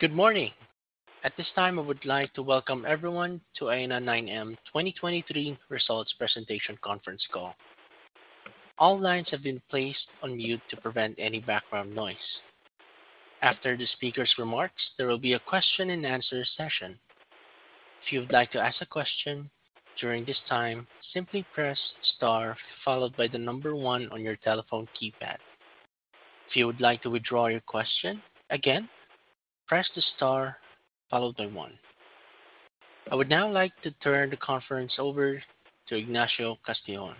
Good morning. At this time, I would like to welcome everyone to Aena 9M 2023 results presentation conference call. All lines have been placed on mute to prevent any background noise. After the speaker's remarks, there will be a question and answer session. If you'd like to ask a question during this time, simply press star followed by the number one on your telephone keypad. If you would like to withdraw your question, again, press the Star followed by one. I would now like to turn the conference over to Ignacio Castejón,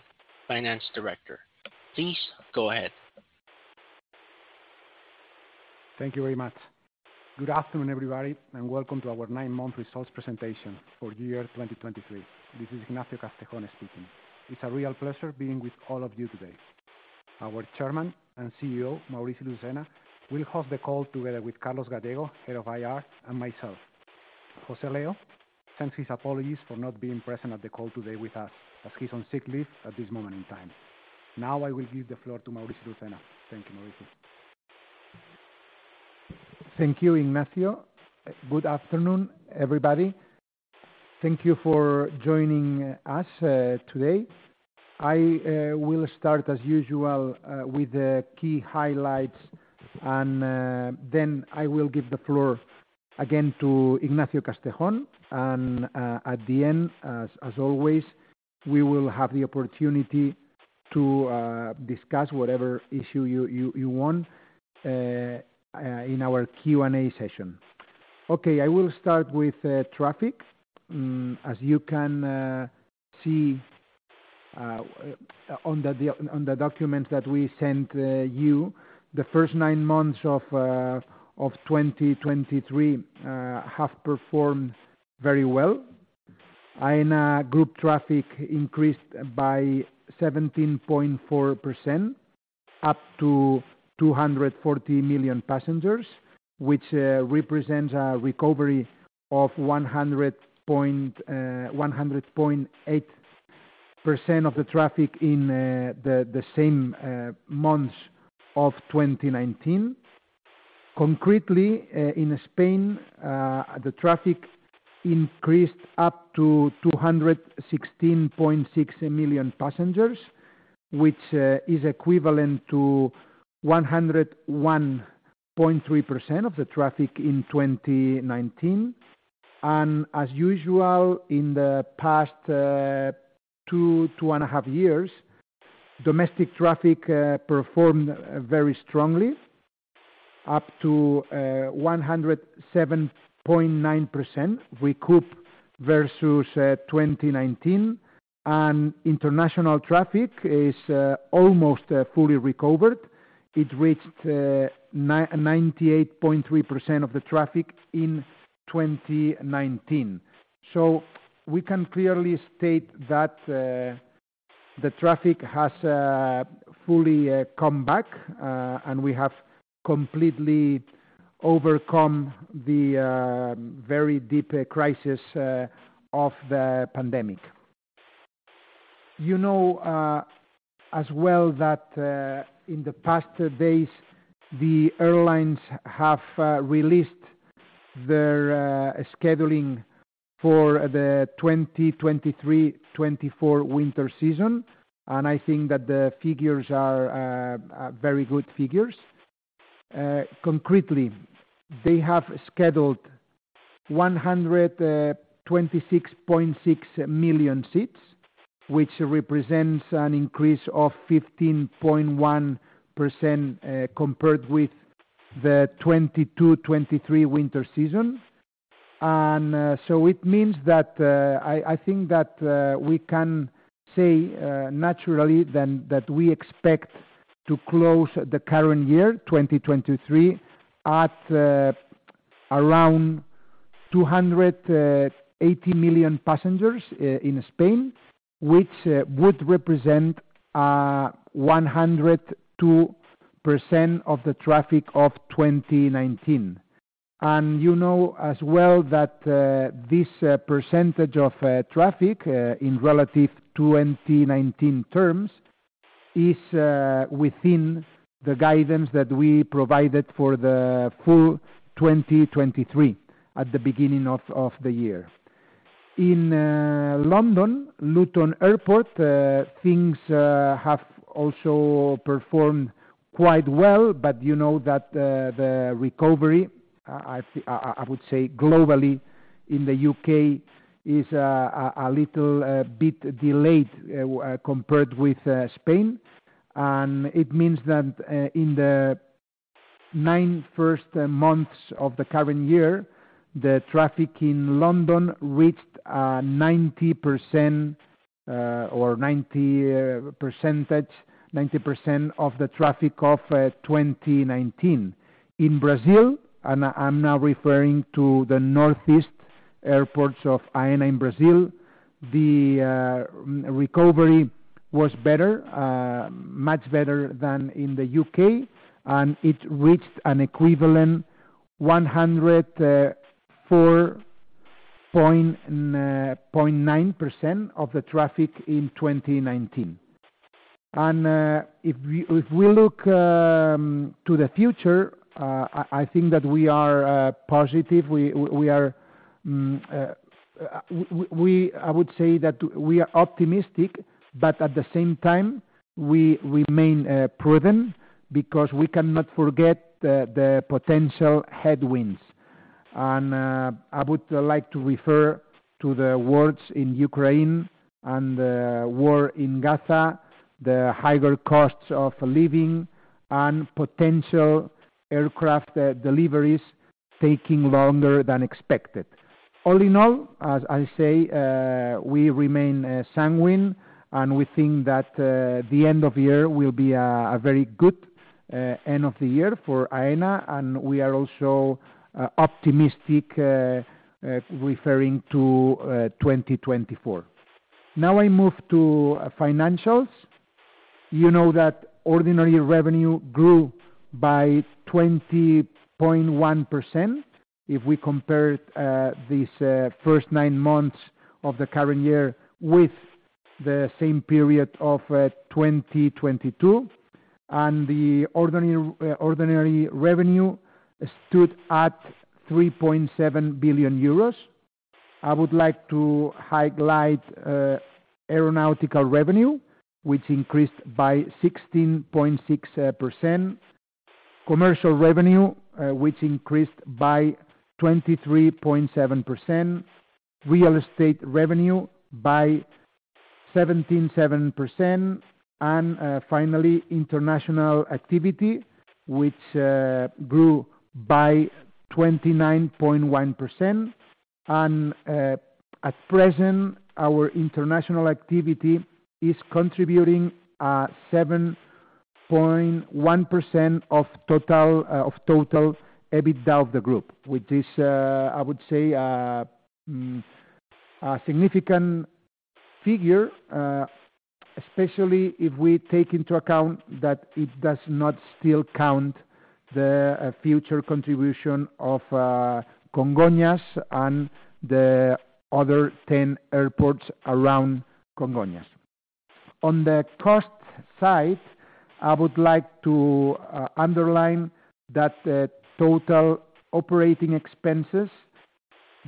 Finance Director. Please go ahead. Thank you very much. Good afternoon, everybody, and welcome to our nine-month results presentation for the year 2023. This is Ignacio Castejón speaking. It's a real pleasure being with all of you today. Our Chairman and CEO, Maurici Lucena, will host the call together with Carlos Gallego, Head of IR, and myself. José Leo sends his apologies for not being present at the call today with us, as he's on sick leave at this moment in time. Now, I will give the floor to Maurici Lucena. Thank you, Maurici. Thank you, Ignacio. Good afternoon, everybody. Thank you for joining us today. I will start as usual with the key highlights and then I will give the floor again to Ignacio Castejón. And at the end, as always, we will have the opportunity to discuss whatever issue you want in our Q&A session. Okay, I will start with traffic. As you can see on the documents that we sent you, the first nine months of 2023 have performed very well. Aena Group traffic increased by 17.4%, up to 240 million passengers, which represents a recovery of 100.8% of the traffic in the same months of 2019. Concretely, in Spain, the traffic increased up to 216.6 million passengers, which is equivalent to 101.3% of the traffic in 2019. And as usual, in the past two and a half years, domestic traffic performed very strongly, up to 107.9% recuperated versus 2019, and international traffic is almost fully recovered. It reached 98.3% of the traffic in 2019. So we can clearly state that the traffic has fully come back, and we have completely overcome the very deep crisis of the pandemic. You know, as well that, in the past days, the airlines have released their scheduling for the 2023-2024 winter season, and I think that the figures are very good figures. Concretely, they have scheduled 126.6 million seats, which represents an increase of 15.1% compared with the 2022-2023 winter season. So it means that, I think that, we can say, naturally, then, that we expect to close the current year, 2023, at around 280 million passengers in Spain, which would represent 102% of the traffic of 2019. You know as well that this percentage of traffic in relation to 2019 terms is within the guidance that we provided for the full 2023 at the beginning of the year. In London Luton Airport, things have also performed quite well, but you know that the recovery I would say globally in the U.K. is a little bit delayed compared with Spain. And it means that in the first nine months of the current year, the traffic in London reached 90% of the traffic of 2019. In Brazil, and I'm now referring to the northeast airports of Aena in Brazil, the recovery was better, much better than in the UK, and it reached an equivalent 104.9% of the traffic in 2019. And, if we look to the future, I think that we are positive. We are, I would say that we are optimistic, but at the same time, we remain prudent because we cannot forget the potential headwinds. And, I would like to refer to the wars in Ukraine and the war in Gaza, the higher costs of living and potential aircraft deliveries taking longer than expected. All in all, as I say, we remain sanguine, and we think that the end of year will be a very good end of the year for Aena, and we are also optimistic referring to 2024. Now, I move to financials. You know that ordinary revenue grew by 20.1% if we compare these first nine months of the current year with the same period of 2022, and the ordinary ordinary revenue stood at 3.7 billion euros. I would like to highlight aeronautical revenue, which increased by 16.6%, commercial revenue, which increased by 23.7%, real estate revenue by 17.7%, and finally, international activity, which grew by 29.1%. At present, our international activity is contributing 7.1% of total EBITDA of the group, which is, I would say, a significant figure, especially if we take into account that it does not still count the future contribution of Congonhas and the other 10 airports around Congonhas. On the cost side, I would like to underline that the total operating expenses,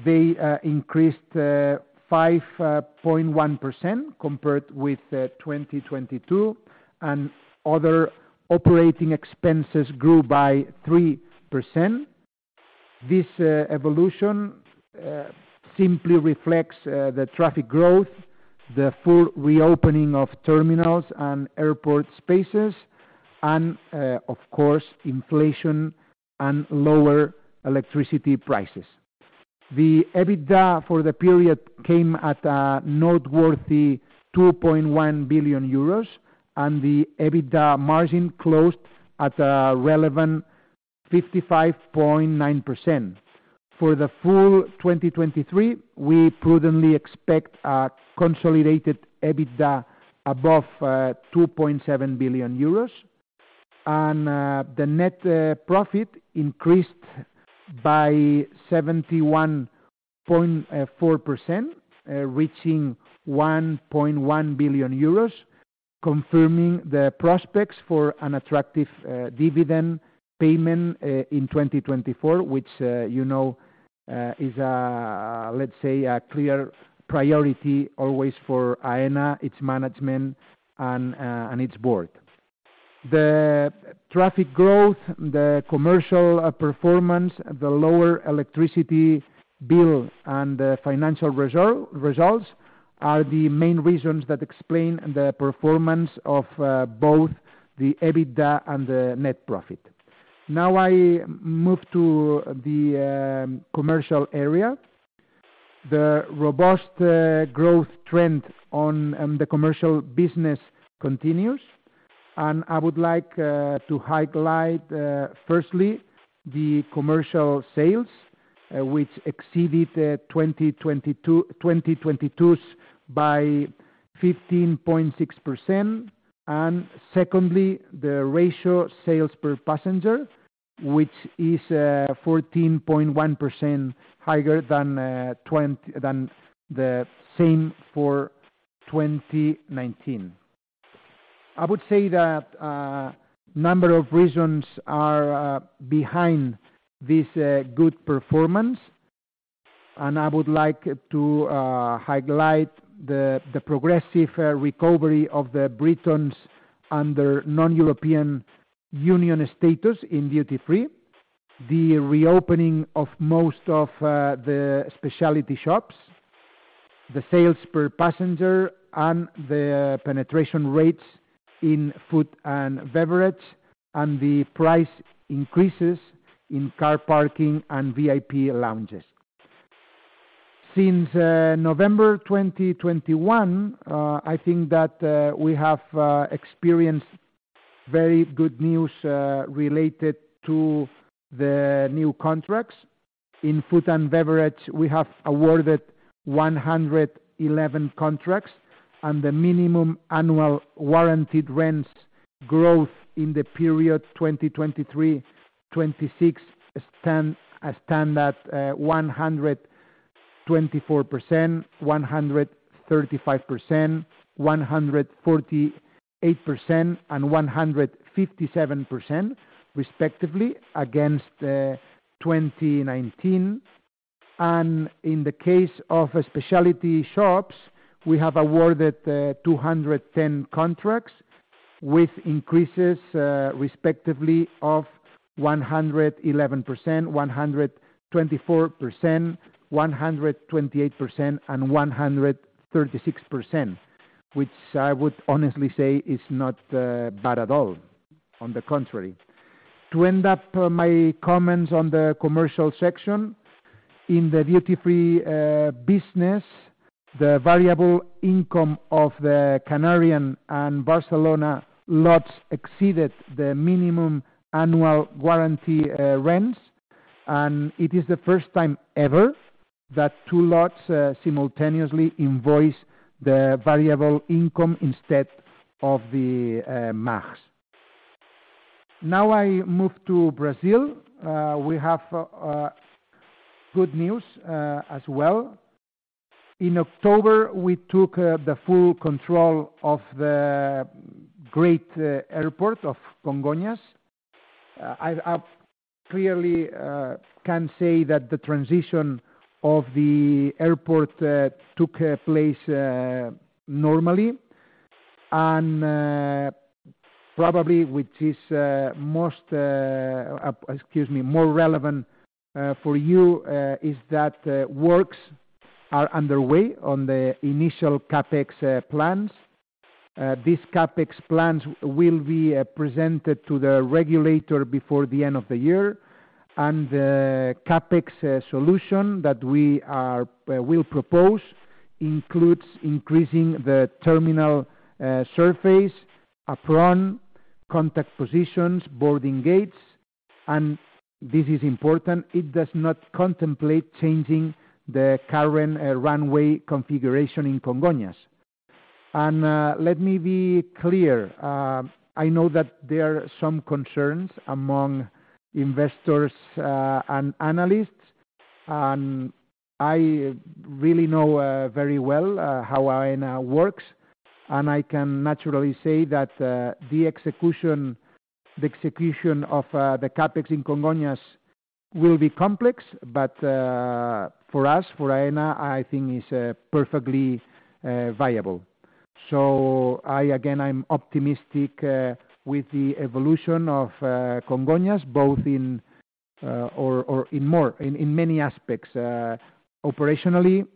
they increased 5.1% compared with 2022, and other operating expenses grew by 3%. This evolution simply reflects the traffic growth, the full reopening of terminals and airport spaces, and, of course, inflation and lower electricity prices. The EBITDA for the period came at a noteworthy 2.1 billion euros, and the EBITDA margin closed at a relevant 55.9%. For the full 2023, we prudently expect a consolidated EBITDA above 2.7 billion euros. And the net profit increased by 71.4%, reaching 1.1 billion euros, confirming the prospects for an attractive dividend payment in 2024, which, you know, is a, let's say, a clear priority always for Aena, its management, and its board. The traffic growth, the commercial performance, the lower electricity bill, and the financial results are the main reasons that explain the performance of both the EBITDA and the net profit. Now, I move to the commercial area. The robust growth trend on the commercial business continues, and I would like to highlight firstly the commercial sales, which exceeded 2022 by 15.6%. And secondly, the ratio sales per passenger, which is 14.1% higher than the same for 2019. I would say that a number of reasons are behind this good performance, and I would like to highlight the progressive recovery of the British under non-European Union status in duty-free, the reopening of most of the specialty shops, the sales per passenger, and the penetration rates in food and beverage, and the price increases in car parking and VIP lounges. Since November 2021, I think that we have experienced very good news related to the new contracts. In food and beverage, we have awarded 111 contracts, and the minimum annual guaranteed rents growth in the period 2023-2026 stand at 124%, 135%, 148%, and 157%, respectively, against 2019. And in the case of our specialty shops, we have awarded 210 contracts with increases respectively of 111%, 124%, 128%, and 136%, which I would honestly say is not bad at all. On the contrary. To end up my comments on the commercial section, in the duty-free business, the variable income of the Canarian and Barcelona lots exceeded the minimum annual warranty rents. And it is the first time ever that two lots simultaneously invoice the variable income instead of the MAGs. Now, I move to Brazil. We have good news as well. In October, we took the full control of the great airport of Congonhas. I clearly can say that the transition of the airport took place normally, and probably, which is, excuse me, more relevant for you is that works are underway on the initial CapEx plans. These CapEx plans will be presented to the regulator before the end of the year, and the CapEx solution that we will propose includes increasing the terminal surface, apron, contact positions, boarding gates, and this is important: it does not contemplate changing the current runway configuration in Congonhas. Let me be clear. I know that there are some concerns among investors and analysts, and I really know very well how Aena works, and I can naturally say that the execution of the CapEx in Congonhas will be complex, but for us, for Aena, I think is perfectly viable. So I again, I'm optimistic with the evolution of Congonhas, both in many aspects, operationally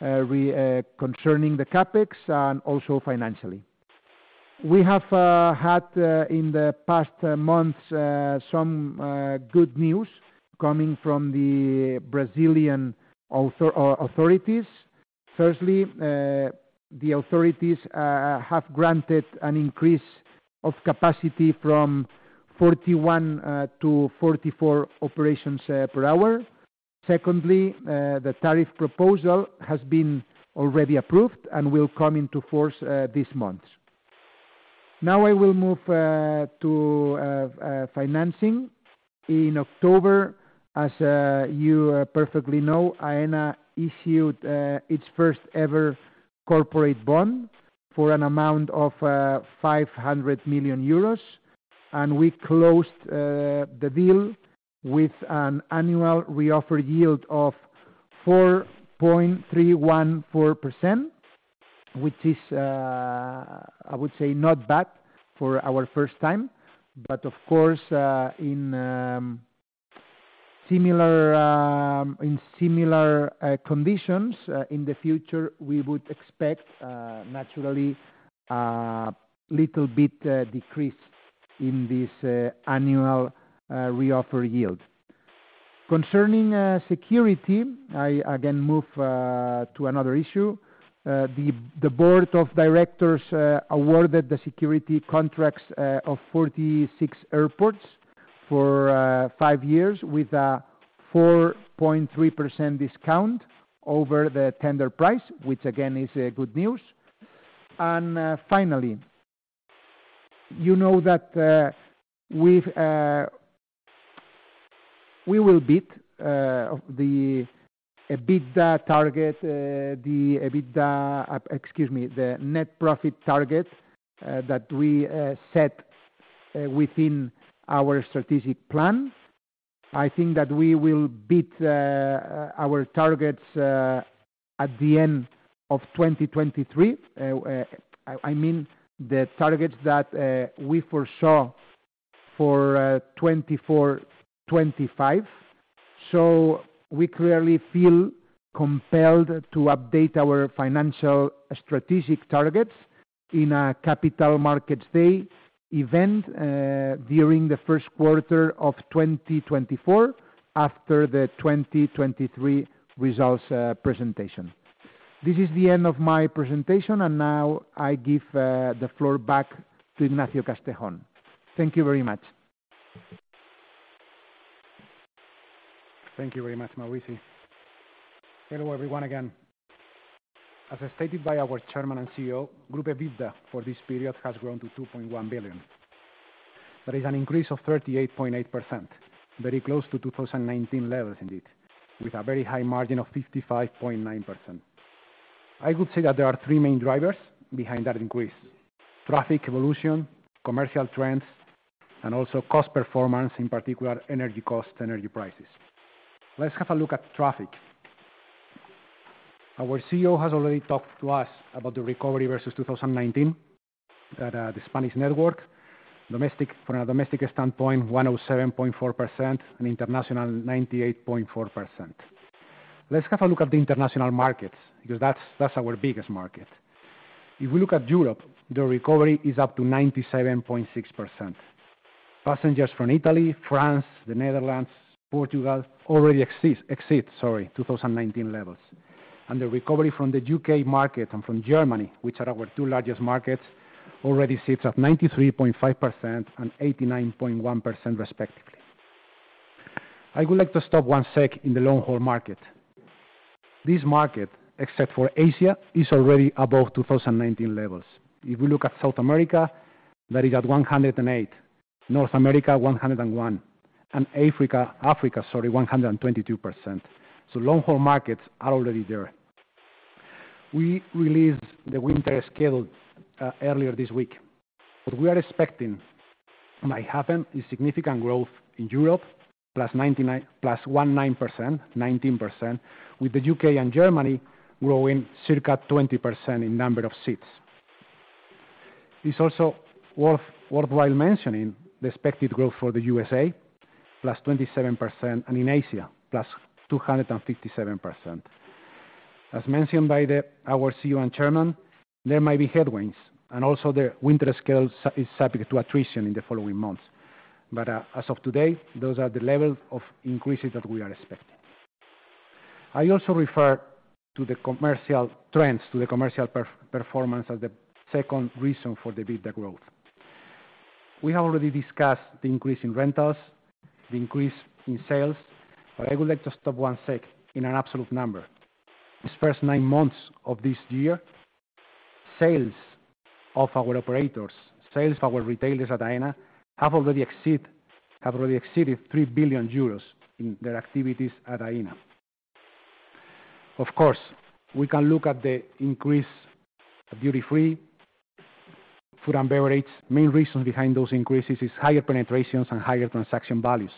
concerning the CapEx and also financially. We have had in the past months some good news coming from the Brazilian authorities. Firstly, the authorities have granted an increase of capacity from 41 to 44 operations per hour. Secondly, the tariff proposal has been already approved and will come into force this month. Now, I will move to financing. In October, as you perfectly know, Aena issued its first-ever corporate bond for an amount of 500 million euros, and we closed the deal with an annual reoffer yield of 4.314%, which is, I would say, not bad for our first time. But of course, in similar conditions in the future, we would expect naturally a little bit decrease in this annual reoffer yield. Concerning security, I again move to another issue. The board of directors awarded the security contracts of 46 airports for five years, with a 4.3% discount over the tender price, which again, is a good news. And finally, you know that we've. We will beat the EBITDA target, excuse me, the net profit target that we set within our strategic plan. I think that we will beat our targets at the end of 2023. I mean, the targets that we foresaw for 2024, 2025. So we clearly feel compelled to update our financial strategic targets in a capital markets day event during the first quarter of 2024, after the 2023 results presentation. This is the end of my presentation, and now I give the floor back to Ignacio Castejón. Thank you very much. Thank you very much, Maurici. Hello, everyone, again. As stated by our Chairman and CEO, Group EBITDA for this period has grown to 2.1 billion. That is an increase of 38.8%, very close to 2019 levels, indeed, with a very high margin of 55.9%. I would say that there are three main drivers behind that increase: traffic evolution, commercial trends, and also cost performance, in particular, energy cost, energy prices. Let's have a look at traffic. Our CEO has already talked to us about the recovery versus 2019 at the Spanish network. Domestic, from a domestic standpoint, 107.4% and international, 98.4%. Let's have a look at the international markets, because that's, that's our biggest market. If we look at Europe, the recovery is up to 97.6%. Passengers from Italy, France, the Netherlands, Portugal already exceed 2019 levels. The recovery from the UK market and from Germany, which are our two largest markets, already sits at 93.5% and 89.1%, respectively. I would like to stop one sec in the long-haul market. This market, except for Asia, is already above 2019 levels. If we look at South America, that is at 108%, North America, 101%, and Africa 122%. So long-haul markets are already there. We released the winter schedule earlier this week. What we are expecting might happen is significant growth in Europe, +99, +19%, 19%, with the UK and Germany growing circa 20% in number of seats. It's also worthwhile mentioning the expected growth for the USA, +27%, and in Asia, +257%. As mentioned by our CEO and chairman, there might be headwinds, and also the winter scale is subject to attrition in the following months. But as of today, those are the levels of increases that we are expecting. I also refer to the commercial trends, to the commercial performance as the second reason for the EBITDA growth. We have already discussed the increase in rentals, the increase in sales, but I would like to stop one sec in an absolute number. This first nine months of this year, sales of our operators, sales of our retailers at Aena, have already exceeded 3 billion euros in their activities at Aena. Of course, we can look at the increase at duty-free, food and beverage. Main reasons behind those increases is higher penetrations and higher transaction values.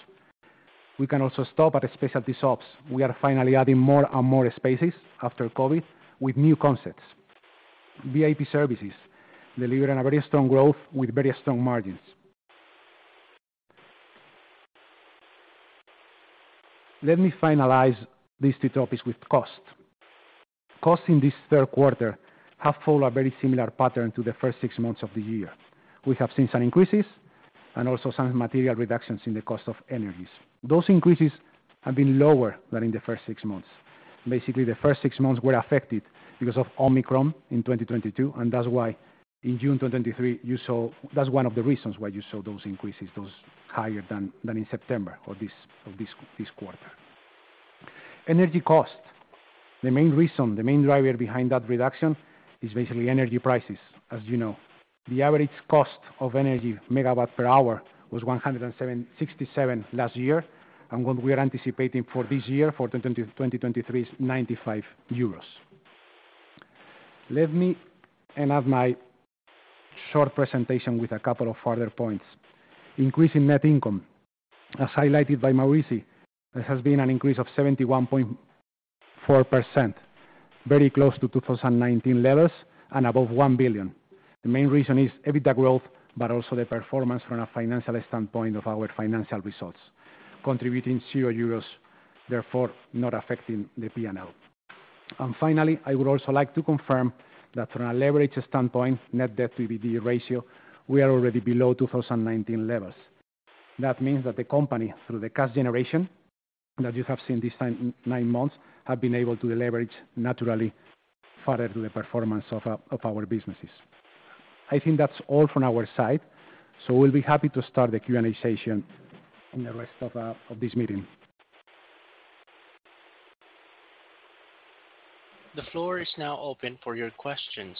We can also stop at specialty shops. We are finally adding more and more spaces after COVID, with new concepts. VIP services delivering a very strong growth with very strong margins. Let me finalize these two topics with cost. Cost in this third quarter have followed a very similar pattern to the first six months of the year. We have seen some increases and also some material reductions in the cost of energies. Those increases have been lower than in the first six months. Basically, the first six months were affected because of Omicron in 2022, and that's why in June 2023, you saw that's one of the reasons why you saw those increases, those higher than in September or this quarter. Energy costs. The main reason, the main driver behind that reduction is basically energy prices, as you know. The average cost of energy megawatt per hour was 167 last year, and what we are anticipating for this year, for 2023, is 95 euros. Let me end up my short presentation with a couple of further points. Increase in net income. As highlighted by Maurici, there has been an increase of 71.4%, very close to 2019 levels and above 1 billion. The main reason is EBITDA growth, but also the performance from a financial standpoint of our financial results, contributing zero EUR, therefore not affecting the P&L. Finally, I would also like to confirm that from a leverage standpoint, net debt-to-EBITDA ratio, we are already below 2019 levels. That means that the company, through the cash generation that you have seen this time, nine months, have been able to leverage naturally further the performance of our businesses. I think that's all from our side, so we'll be happy to start the Q&A session and the rest of this meeting. The floor is now open for your questions.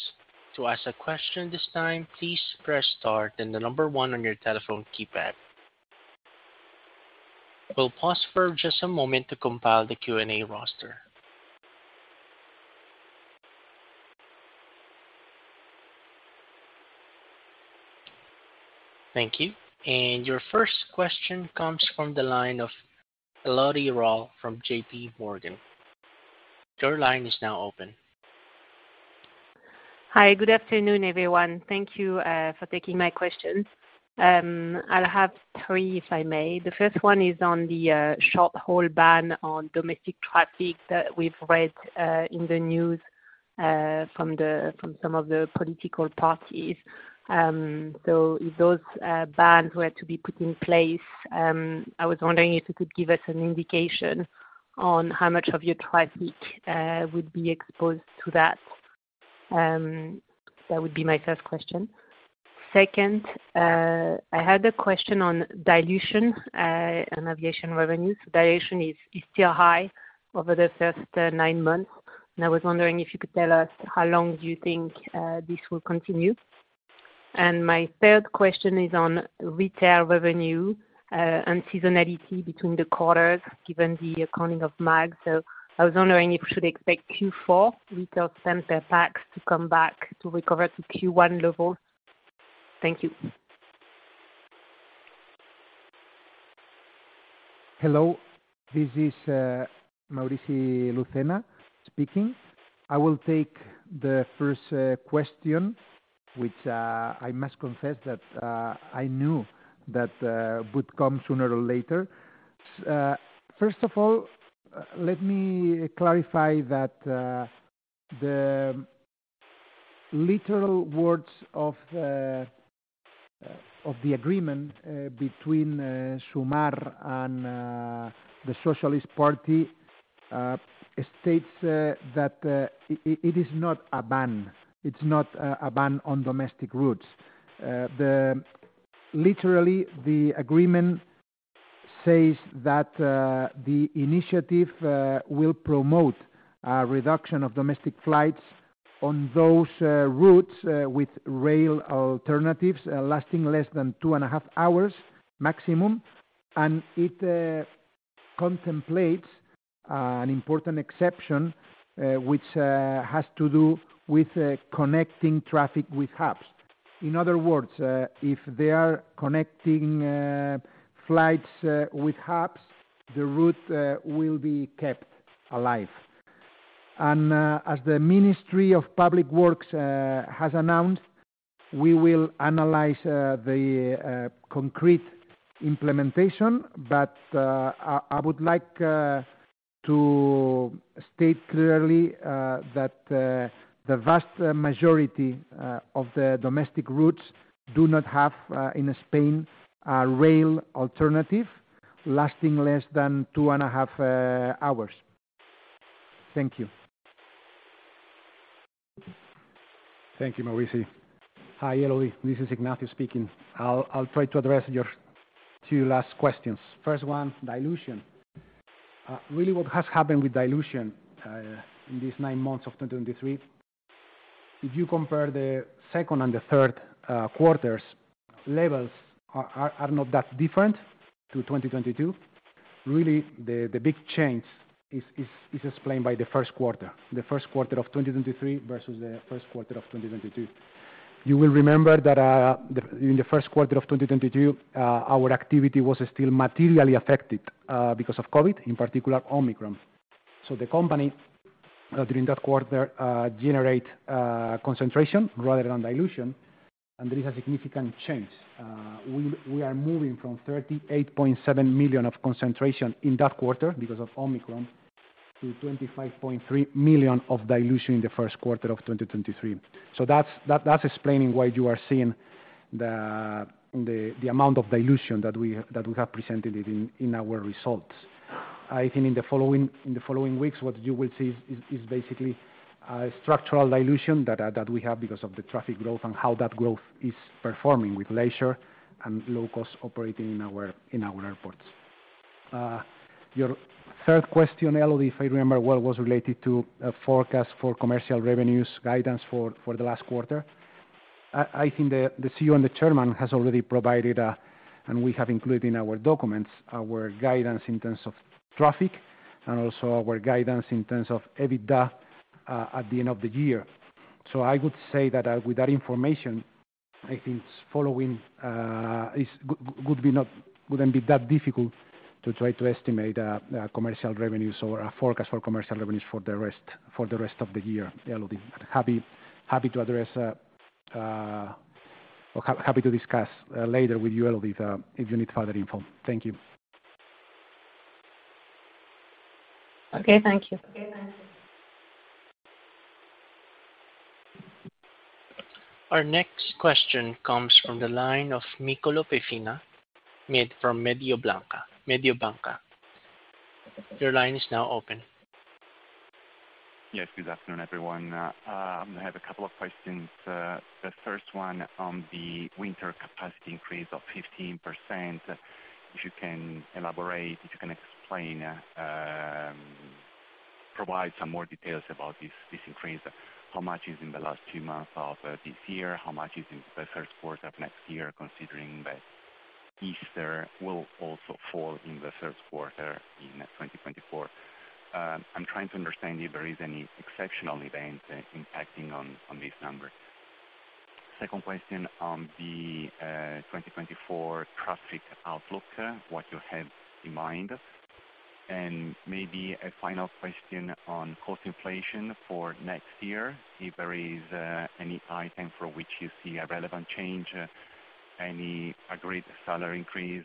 To ask a question this time, please press star, then the number one on your telephone keypad. We'll pause for just a moment to compile the Q&A roster. Thank you, and your first question comes from the line of Elodie Rall from JPMorgan. Your line is now open. Hi. Good afternoon, everyone. Thank you for taking my questions. I'll have three, if I may. The first one is on the short-haul ban on domestic traffic that we've read in the news from some of the political parties. So if those bans were to be put in place, I was wondering if you could give us an indication on how much of your traffic would be exposed to that. That would be my first question. Second, I had a question on dilution and aviation revenues. Dilution is still high over the first nine months, and I was wondering if you could tell us how long do you think this will continue? And my third question is on retail revenue and seasonality between the quarters, given the accounting of MAG. I was wondering if we should expect Q4 retail center packs to come back to recover to Q1 level? Thank you. Hello, this is Maurici Lucena speaking. I will take the first question, which I must confess that I knew that would come sooner or later. First of all, let me clarify that the literal words of the agreement between Sumar and the Socialist Party states that it is not a ban. It's not a ban on domestic routes. Literally, the agreement says that the initiative will promote a reduction of domestic flights on those routes with rail alternatives lasting less than two and a half hours maximum. And it contemplates an important exception, which has to do with connecting traffic with hubs. In other words, if they are connecting flights with hubs, the route will be kept alive. As the Ministry of Public Works has announced, we will analyze the concrete implementation, but I would like to state clearly that the vast majority of the domestic routes do not have in Spain a rail alternative lasting less than two and a half hours. Thank you. Thank you, Maurici. Hi, Elodie, this is Ignacio speaking. I'll, I'll try to address your two last questions. First one, dilution. Really, what has happened with dilution in these nine months of 2023, if you compare the second and the third quarters, levels are, are, are not that different to 2022. Really, the, the big change is, is, is explained by the first quarter, the first quarter of 2023 versus the first quarter of 2022. You will remember that, in the first quarter of 2022, our activity was still materially affected because of COVID, in particular, Omicron. So the company during that quarter generate concentration rather than dilution, and there is a significant change. We are moving from 38.7 million of concentration in that quarter because of Omicron to 25.3 million of dilution in the first quarter of 2023. So that's explaining why you are seeing the amount of dilution that we have presented in our results. I think in the following weeks, what you will see is basically structural dilution that we have because of the traffic growth and how that growth is performing with leisure and low cost operating in our airports. Your third question, Elodie, if I remember well, was related to a forecast for commercial revenues, guidance for the last quarter. I think the CEO and the chairman has already provided, and we have included in our documents, our guidance in terms of traffic and also our guidance in terms of EBITDA at the end of the year. So I would say that, with that information, I think following is wouldn't be that difficult to try to estimate commercial revenues or a forecast for commercial revenues for the rest of the year, Elodie. Happy to address or happy to discuss later with you, Elodie, if you need further info. Thank you. Okay, thank you. Our next question comes from the line of Nicolò Pessina from Mediobanca. Your line is now open. Yes, good afternoon, everyone. I have a couple of questions. The first one on the winter capacity increase of 15%, if you can elaborate, if you can explain, provide some more details about this, this increase. How much is in the last two months of this year? How much is in the third quarter of next year, considering that Easter will also fall in the third quarter in 2024? I'm trying to understand if there is any exceptional event impacting on these numbers. Second question on the 2024 traffic outlook, what you have in mind? And maybe a final question on cost inflation for next year, if there is any item for which you see a relevant change, any agreed salary increase,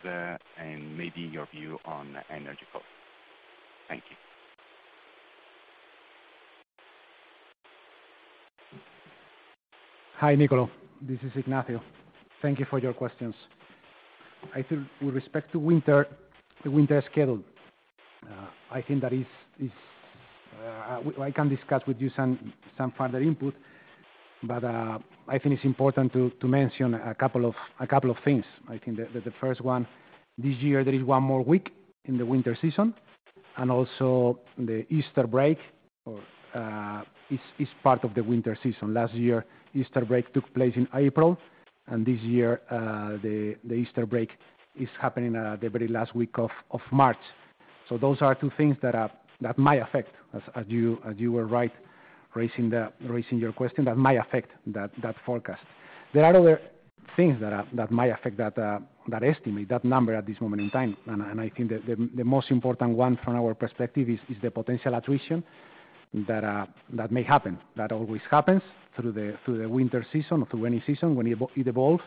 and maybe your view on energy costs. Thank you. Hi, Nicolo. This is Ignacio. Thank you for your questions. I think with respect to winter, the winter schedule. I can discuss with you some further input, but I think it's important to mention a couple of things. I think the first one, this year, there is one more week in the winter season, and also the Easter break is part of the winter season. Last year, Easter break took place in April, and this year, the Easter break is happening the very last week of March. So those are two things that might affect, as you were right raising your question, that might affect that forecast. There are other things that are, that might affect that, that estimate, that number at this moment in time. And I think that the most important one from our perspective is the potential attrition that, that may happen. That always happens through the winter season or through any season when it evolves,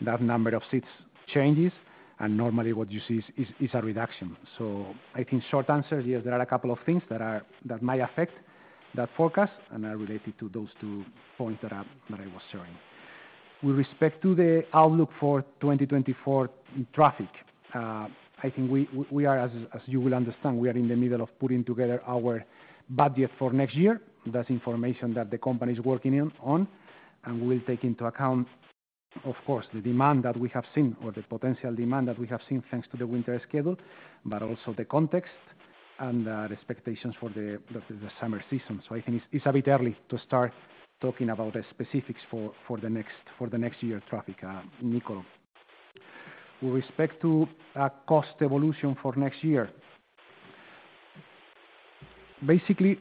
that number of seats changes, and normally what you see is a reduction. So I think short answer, yes, there are a couple of things that might affect that forecast, and I relate it to those two points that I was sharing. With respect to the outlook for 2024 traffic, I think we are, as you will understand, we are in the middle of putting together our budget for next year. That's information that the company is working in, on, and we'll take into account, of course, the demand that we have seen or the potential demand that we have seen, thanks to the winter schedule, but also the context and the expectations for the summer season. So I think it's a bit early to start talking about the specifics for the next year traffic, Nicolo. With respect to cost evolution for next year, basically,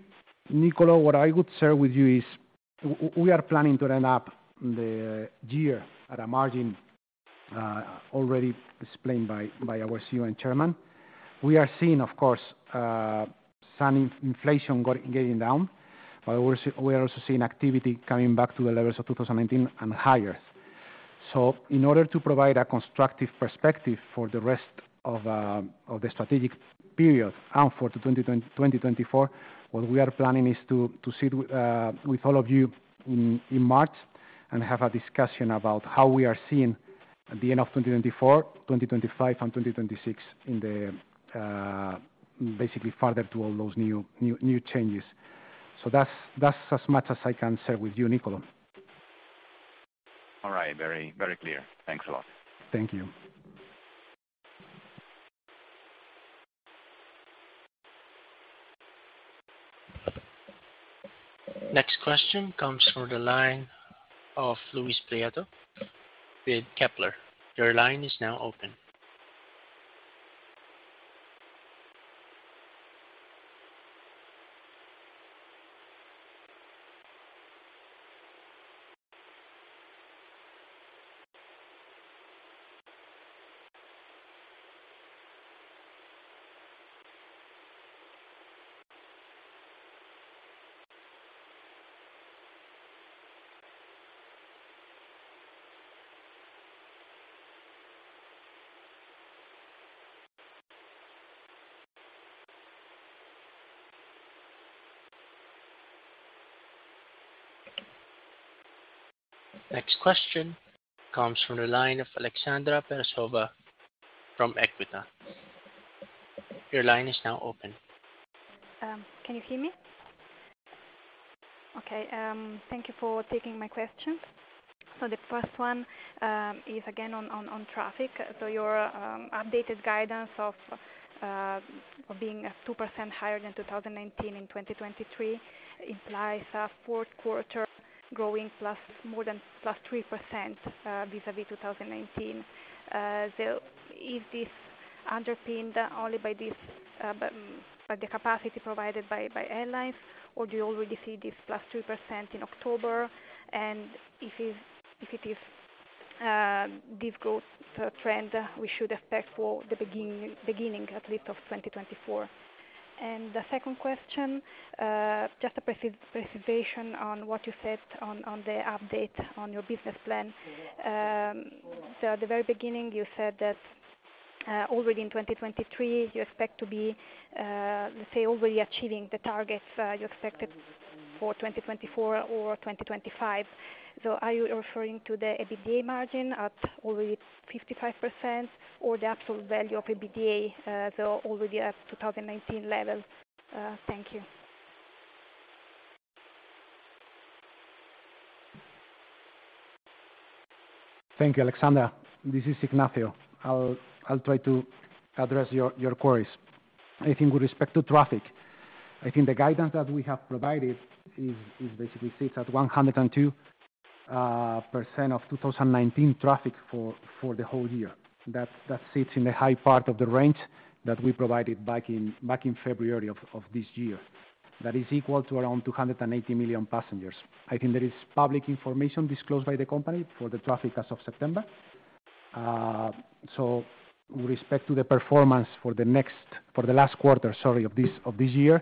Nicolo, what I would share with you is we are planning to end up the year at a margin already explained by our CEO and chairman. We are seeing, of course, some inflation getting down, but we're, we are also seeing activity coming back to the levels of 2018 and higher. So in order to provide a constructive perspective for the rest of the strategic period, and for 2024, what we are planning is to sit with all of you in March and have a discussion about how we are seeing the end of 2024, 2025, and 2026 in the basically further to all those new changes. So that's as much as I can share with you, Nicolo. All right. Very, very clear. Thanks a lot. Thank you. Next question comes from the line of Luis Prieto with Kepler. Your line is now open. Next question comes from the line of Alexandra Peresova from Equita. Your line is now open. Can you hear me? Okay, thank you for taking my question. So the first one is again, on traffic. So your updated guidance of being 2% higher than 2019 in 2023 implies a fourth quarter growing plus more than +3% vis-à-vis 2019. So is this underpinned only by this, by the capacity provided by airlines, or do you already see this +2% in October? And if it is, this growth trend, we should expect for the beginning, at least of 2024. And the second question, just a precision on what you said on the update on your business plan. So at the very beginning, you said that already in 2023, you expect to be, let's say, already achieving the targets you expected for 2024 or 2025. So are you referring to the EBITDA margin at already 55% or the absolute value of EBITDA, so already at 2019 level? Thank you. Thank you, Alexandra. This is Ignacio. I'll try to address your queries. I think with respect to traffic, I think the guidance that we have provided is basically sits at 102% of 2019 traffic for the whole year. That sits in the high part of the range that we provided back in February of this year. That is equal to around 280 million passengers. I think there is public information disclosed by the company for the traffic as of September. So with respect to the performance for the last quarter, sorry, of this year,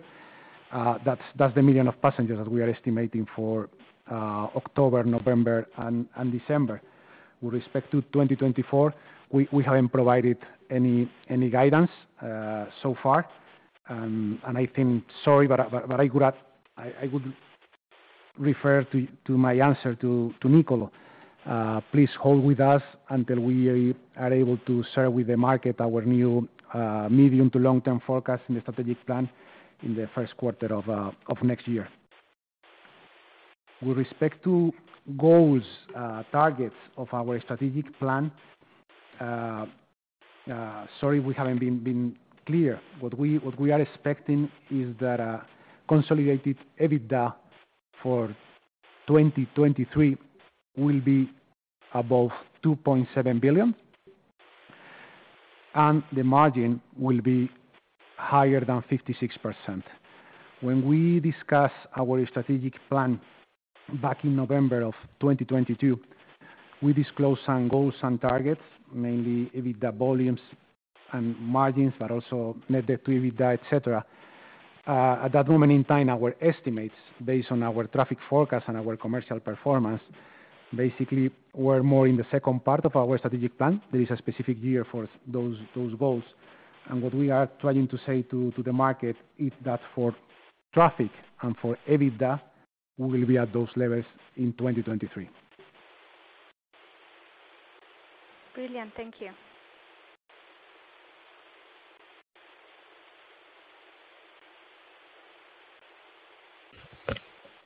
that's the million of passengers that we are estimating for October, November, and December. With respect to 2024, we haven't provided any guidance so far. I think, sorry, but I could add, I would refer to my answer to Nicolo. Please hold with us until we are able to share with the market our new medium to long-term forecast and the strategic plan in the first quarter of next year. With respect to goals, targets of our strategic plan, sorry, we haven't been clear. What we are expecting is that a consolidated EBITDA for 2023 will be above 2.7 billion, and the margin will be higher than 56%. When we discussed our strategic plan back in November 2022, we disclosed some goals and targets, mainly EBITDA volumes and margins, but also net debt to EBITDA, et cetera. At that moment in time, our estimates, based on our traffic forecast and our commercial performance, basically were more in the second part of our strategic plan. There is a specific year for those goals, and what we are trying to say to the market is that for traffic and for EBITDA, we will be at those levels in 2023. Brilliant. Thank you.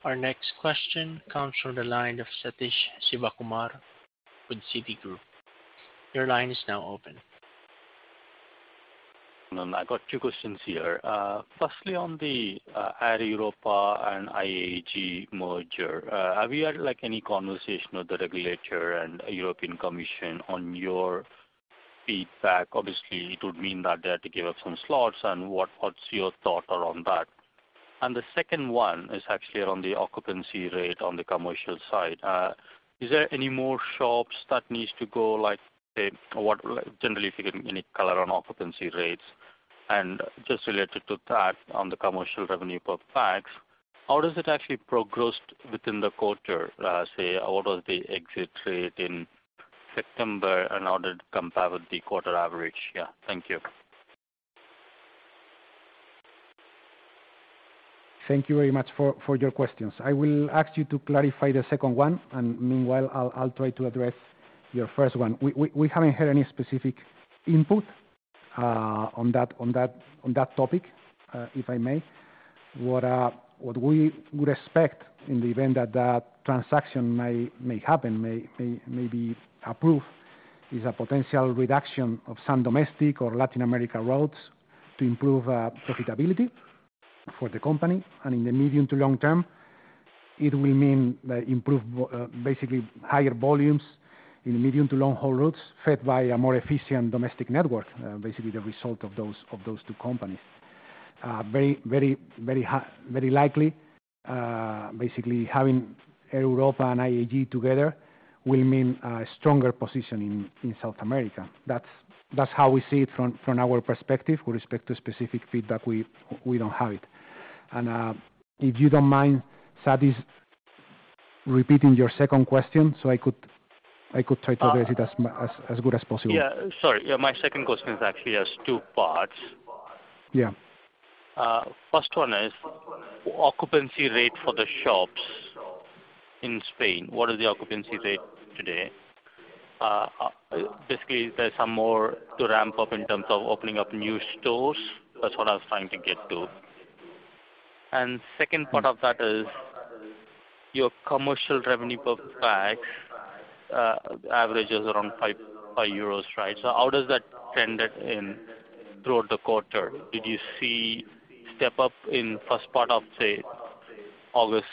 Our next question comes from the line of Satish Sivakumar with Citigroup. Your line is now open. I got two questions here. Firstly, on the Air Europa and IAG merger, have you had, like, any conversation with the regulator and European Commission on your feedback? Obviously, it would mean that they had to give up some slots, and what's your thought around that? The second one is actually on the occupancy rate on the commercial side. Is there any more shops that needs to go, like, generally, if you give any color on occupancy rates. Just related to that, on the commercial revenue per pax, how does it actually progressed within the quarter? Say, what was the exit rate in September in order to compare with the quarter average? Yeah. Thank you. Thank you very much for your questions. I will ask you to clarify the second one, and meanwhile, I'll try to address your first one. We haven't heard any specific input on that topic, if I may. What we would expect in the event that that transaction may happen, may be approved, is a potential reduction of some domestic or Latin America routes to improve profitability for the company. And in the medium to long term, it will mean improved, basically higher volumes in the medium to long-haul routes, fed by a more efficient domestic network, basically the result of those two companies. Very likely, basically, having Air Europa and IAG together will mean a stronger position in South America. That's how we see it from our perspective. With respect to specific feedback, we don't have it. If you don't mind, Satish, repeating your second question, so I could try to address it as good as possible. Yeah. Sorry. Yeah, my second question is actually has two parts. Yeah. First one is occupancy rate for the shops in Spain. What is the occupancy rate today? Basically, there's some more to ramp up in terms of opening up new stores. That's what I was trying to get to. Second part of that is, your commercial revenue per pax averages around 5.5 euros, right? So how does that trended in throughout the quarter? Did you see step up in first part of, say, August,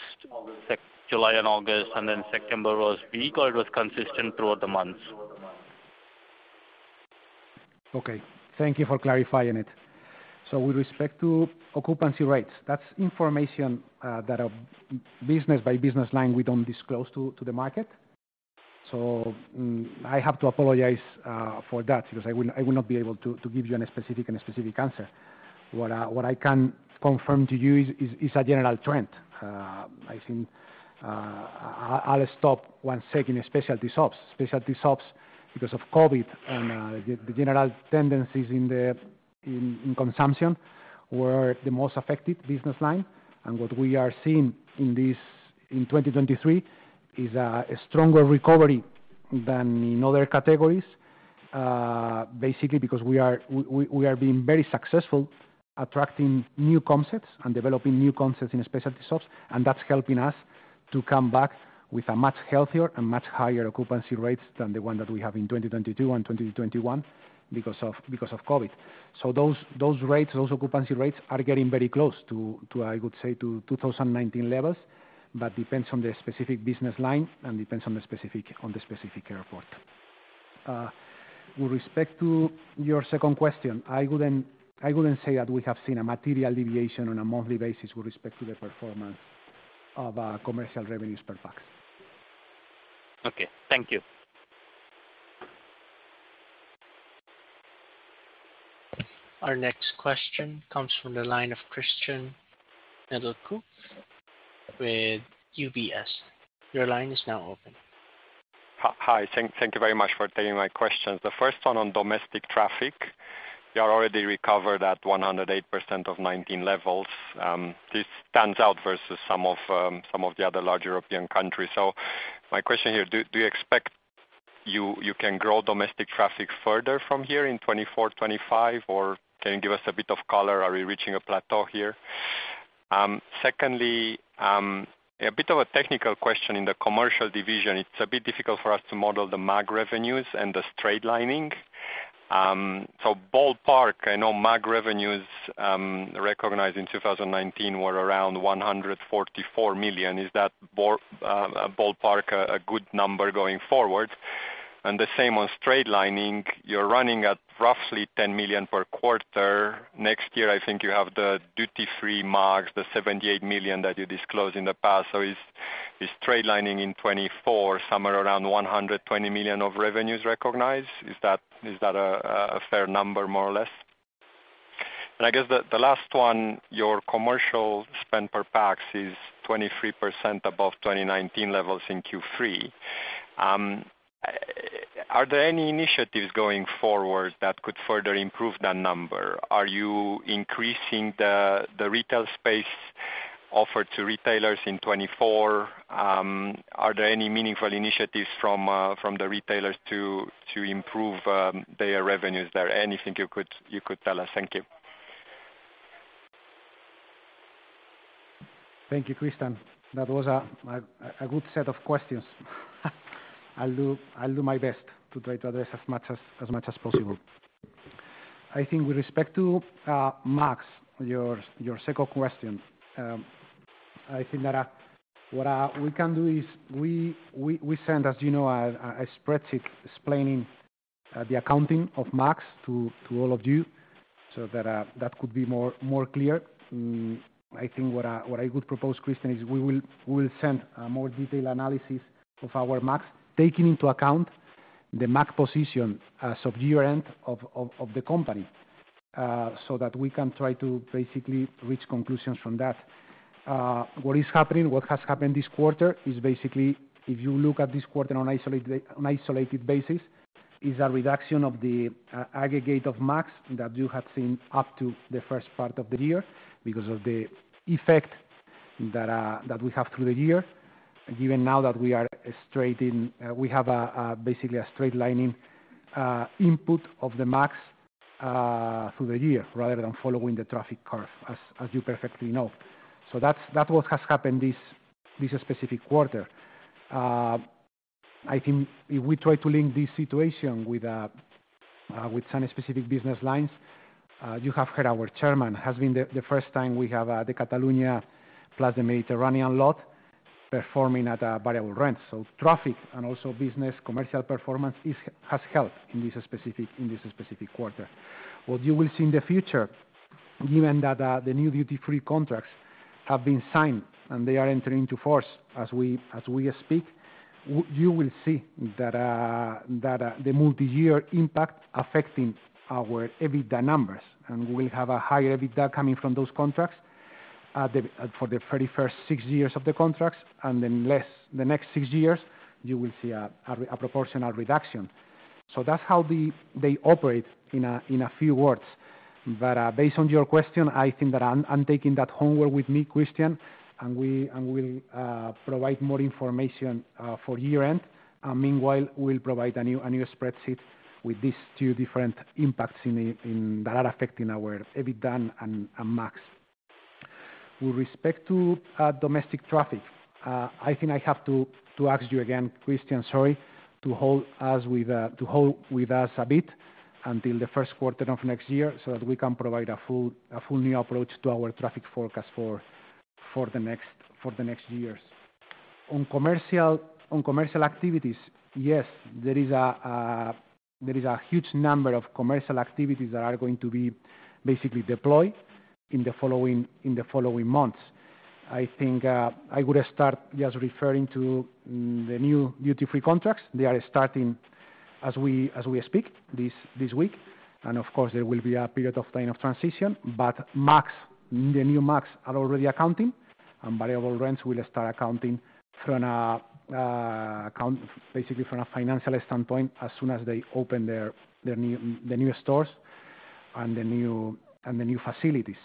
July and August, and then September was weak, or it was consistent throughout the months? Okay. Thank you for clarifying it. So with respect to occupancy rates, that's information that by business line, we don't disclose to the market. So, I have to apologize for that because I will not be able to give you a specific answer. What I can confirm to you is a general trend. I think, I'll stop one second, especially specialty shops. Specialty shops, because of COVID and the general tendencies in consumption, were the most affected business line. And what we are seeing in this, in 2023 is a stronger recovery than in other categories, basically because we are we are being very successful attracting new concepts and developing new concepts in specialty shops, and that's helping us to come back with a much healthier and much higher occupancy rates than the one that we have in 2022 and 2021 because of COVID. So those those rates, those occupancy rates are getting very close to I would say to 2019 levels, but depends on the specific business line and depends on the specific on the specific airport. With respect to your second question, I wouldn't I wouldn't say that we have seen a material deviation on a monthly basis with respect to the performance of our commercial revenues per pax. Okay. Thank you. Our next question comes from the line of Cristian Nedelcu with UBS. Your line is now open. Hi, thank you very much for taking my questions. The first one on domestic traffic, you are already recovered at 108% of 2019 levels. This stands out versus some of the other large European countries. So my question here, do you expect you can grow domestic traffic further from here in 2024, 2025? Or can you give us a bit of color, are we reaching a plateau here? Secondly, a bit of a technical question in the commercial division, it's a bit difficult for us to model the MAG revenues and the straight lining. So ballpark, I know MAG revenues recognized in 2019 were around 144 million. Is that a ballpark, a good number going forward? The same on straight lining, you're running at roughly 10 million per quarter. Next year, I think you have the duty-free MAGs, the 78 million that you disclosed in the past. So is straight lining in 2024 somewhere around 120 million of revenues recognized? Is that a fair number, more or less? And I guess the last one, your commercial spend per pax is 23% above 2019 levels in Q3. Are there any initiatives going forward that could further improve that number? Are you increasing the retail space offered to retailers in 2024? Are there any meaningful initiatives from the retailers to improve their revenues there? Anything you could tell us. Thank you. Thank you, Cristian. That was a good set of questions. I'll do my best to try to address as much as possible. I think with respect to MAG, your second question, I think that what we can do is we send, as you know, a spreadsheet explaining the accounting of MAG to all of you, so that that could be more clear. I think what I would propose, Christian, is we will send a more detailed analysis of our MAG, taking into account the MAG position as of year-end of the company, so that we can try to basically reach conclusions from that. What is happening, what has happened this quarter is basically, if you look at this quarter on an isolated basis, is a reduction of the aggregate of MAG that you have seen up to the first part of the year, because of the effect that, that we have through the year. And even now that we are straight in, we have, basically a straight-lining input of the MAG, through the year, rather than following the traffic curve, as you perfectly know. So that's, that's what has happened this, this specific quarter. I think if we try to link this situation with, with some specific business lines, you have heard our chairman, has been the, the first time we have, the Catalunya plus the Mediterranean lot performing at a variable rent. So traffic and also business commercial performance is, has helped in this specific, in this specific quarter. What you will see in the future, given that, the new duty-free contracts have been signed and they are entering into force as we, as we speak, you will see that, that, the multi-year impact affecting our EBITDA numbers, and we will have a higher EBITDA coming from those contracts, for the very first six years of the contracts, and then less the next six years, you will see a proportional reduction. So that's how they operate in a few words. But, based on your question, I think that I'm taking that homework with me, Christian, and we and we'll provide more information for year-end. Meanwhile, we'll provide a new spreadsheet with these two different impacts that are affecting our EBITDA and CapEx. With respect to domestic traffic, I think I have to ask you again, Christian, sorry, to hold with us a bit until the first quarter of next year, so that we can provide a full new approach to our traffic forecast for the next years. On commercial activities, yes, there is a huge number of commercial activities that are going to be basically deployed in the following months. I think I would start just referring to the new duty-free contracts. They are starting as we speak, this week, and of course, there will be a period of time of transition, but MAG, the new MAG, are already accounting, and variable rents will start accounting from an account, basically from a financial standpoint, as soon as they open their new stores and new facilities.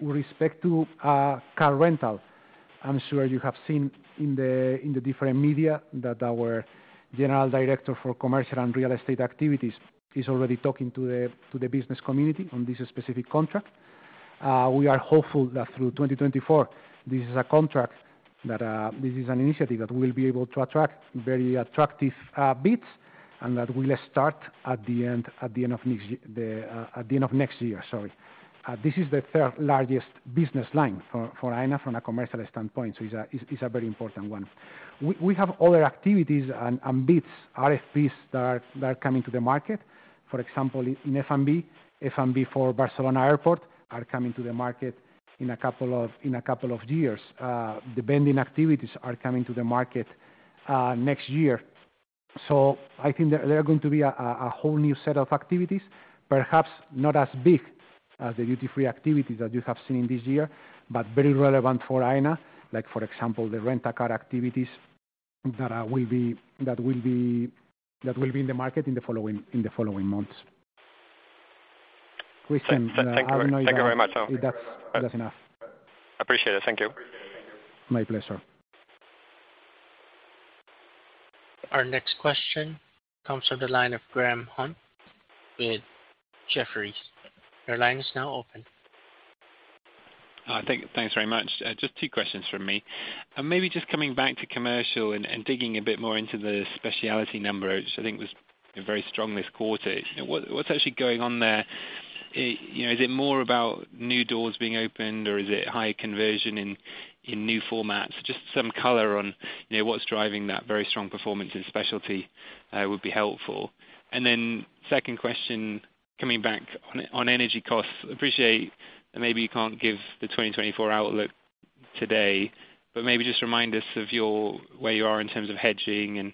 With respect to car rental, I'm sure you have seen in the different media that our general director for commercial and real estate activities is already talking to the business community on this specific contract. We are hopeful that through 2024, this is a contract that, this is an initiative that we will be able to attract very attractive bids, and that will start at the end of next year, sorry. This is the third largest business line for AENA from a commercial standpoint, so it's a very important one. We have other activities and bids, RFPs that are coming to the market. For example, in F&B for Barcelona Airport are coming to the market in a couple of years. The vending activities are coming to the market next year. So I think there are going to be a whole new set of activities, perhaps not as big as the duty-free activities that you have seen in this year, but very relevant for Aena. Like, for example, the rent-a-car activities that will be in the market in the following months. Christian, I don't know if Thank you very much. If that's enough. Appreciate it. Thank you. My pleasure. Our next question comes from the line of Graham Hunt with Jefferies. Your line is now open. Thanks very much. Just two questions from me. Maybe just coming back to commercial and digging a bit more into the specialty numbers, which I think was very strong this quarter. You know, what's actually going on there? You know, is it more about new doors being opened, or is it high conversion in new formats? Just some color on, you know, what's driving that very strong performance in specialty would be helpful. And then second question, coming back on energy costs. Appreciate that maybe you can't give the 2024 outlook today, but maybe just remind us of your, where you are in terms of hedging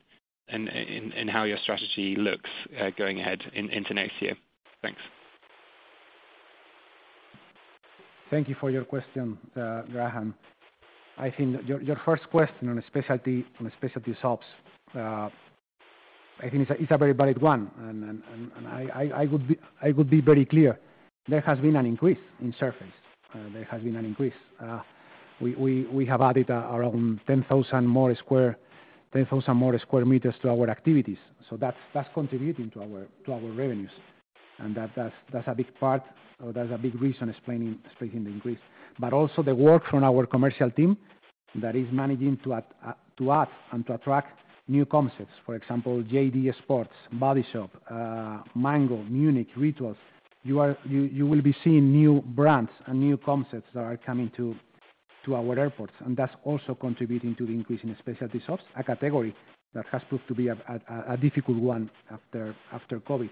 and how your strategy looks going ahead into next year. Thanks. Thank you for your question, Graham. I think your first question on specialty shops, I think it's a very valid one, and I would be very clear. There has been an increase in surface. There has been an increase. We have added around 10,000 more square, 10,000 more square meters to our activities, so that's a big part, or that's a big reason explaining the increase. But also the work from our commercial team that is managing to add and to attract new concepts. For example, JD Sports, Body Shop, Mango, Munich, Rituals. You will be seeing new brands and new concepts that are coming to our airports, and that's also contributing to the increase in specialty shops. A category that has proved to be a difficult one after COVID.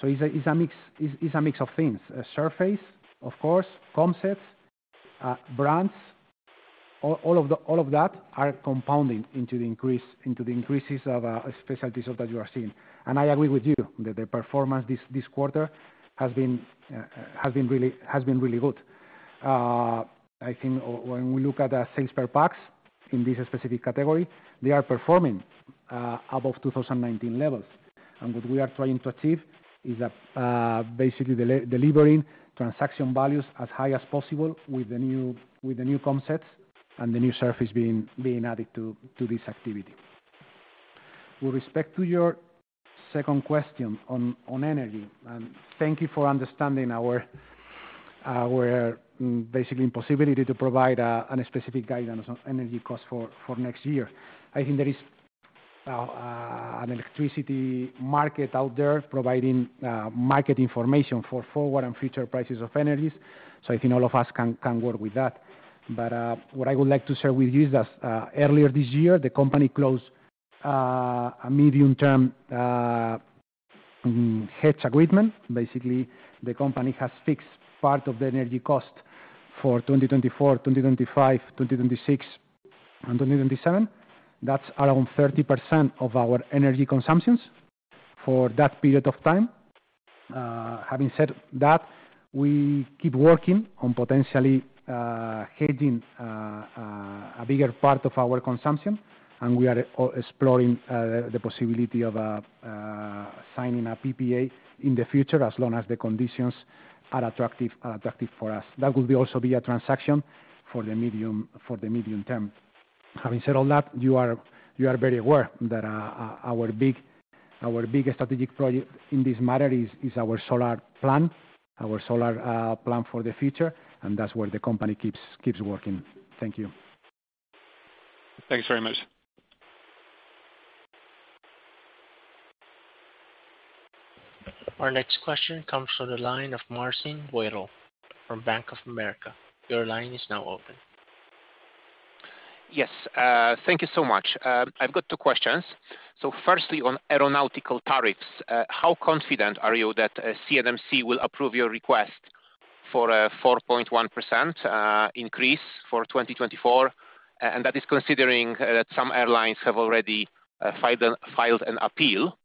So it's a mix of things. Surface, of course, concepts, brands, all of that are compounding into the increases of specialty stores that you are seeing. And I agree with you, that the performance this quarter has been really good. I think when we look at the sales per packs in this specific category, they are performing above 2019 levels. What we are trying to achieve is a basically delivering transaction values as high as possible with the new, with the new concepts and the new surface being added to this activity. With respect to your second question on energy, and thank you for understanding our basically impossibility to provide a specific guidance on energy cost for next year. I think there is an electricity market out there providing market information for forward and future prices of energies, so I think all of us can work with that. But what I would like to share with you is that earlier this year, the company closed a medium-term hedge agreement. Basically, the company has fixed part of the energy cost for 2024, 2025, 2026, and 2027. That's around 30% of our energy consumptions for that period of time. Having said that, we keep working on potentially, hedging, a bigger part of our consumption, and we are exploring, the possibility of, signing a PPA in the future, as long as the conditions are attractive, are attractive for us. That would be also be a transaction for the medium, for the medium term. Having said all that, you are, you are very aware that, our big, our big strategic project in this matter is, is our solar plan, our solar, plan for the future, and that's where the company keeps, keeps working. Thank you. Thanks very much. Our next question comes from the line of Marcin Wojtal from Bank of America. Your line is now open. Yes, thank you so much. I've got two questions. So firstly, on aeronautical tariffs, how confident are you that CNMC will approve your request for a 4.1% increase for 2024? And that is considering that some airlines have already filed an appeal.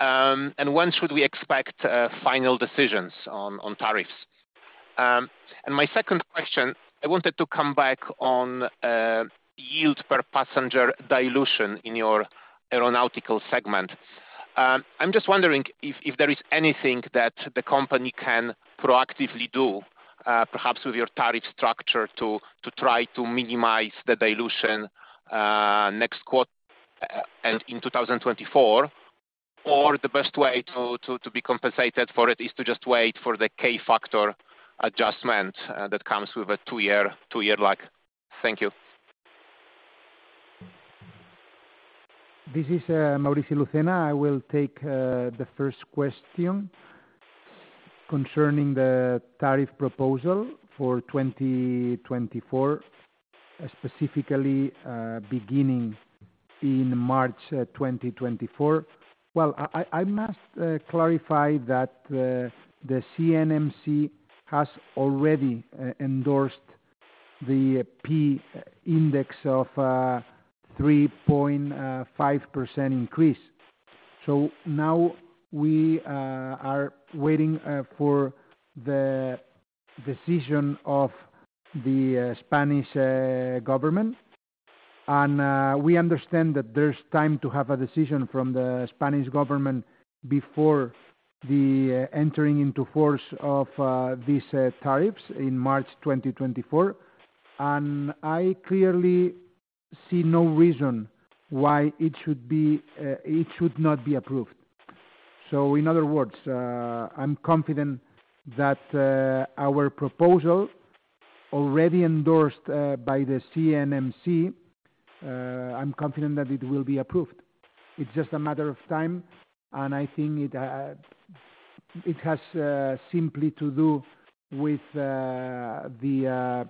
And when should we expect final decisions on tariffs? And my second question, I wanted to come back on yield per passenger dilution in your aeronautical segment. I'm just wondering if there is anything that the company can proactively do, perhaps with your tariff structure, to try to minimize the dilution next quarter and in 2024. Or the best way to be compensated for it is to just wait for the K-factor adjustment that comes with a two-year lag. Thank you. This is Maurici Lucena. I will take the first question concerning the tariff proposal for 2024, specifically beginning in March 2024. Well, I must clarify that the CNMC has already endorsed the P index of 3.5% increase. So now we are waiting for the decision of the Spanish government. And we understand that there's time to have a decision from the Spanish government before the entering into force of these tariffs in March 2024. And I clearly see no reason why it should not be approved. So in other words, I'm confident that our proposal, already endorsed by the CNMC, I'm confident that it will be approved. It's just a matter of time, and I think it has simply to do with the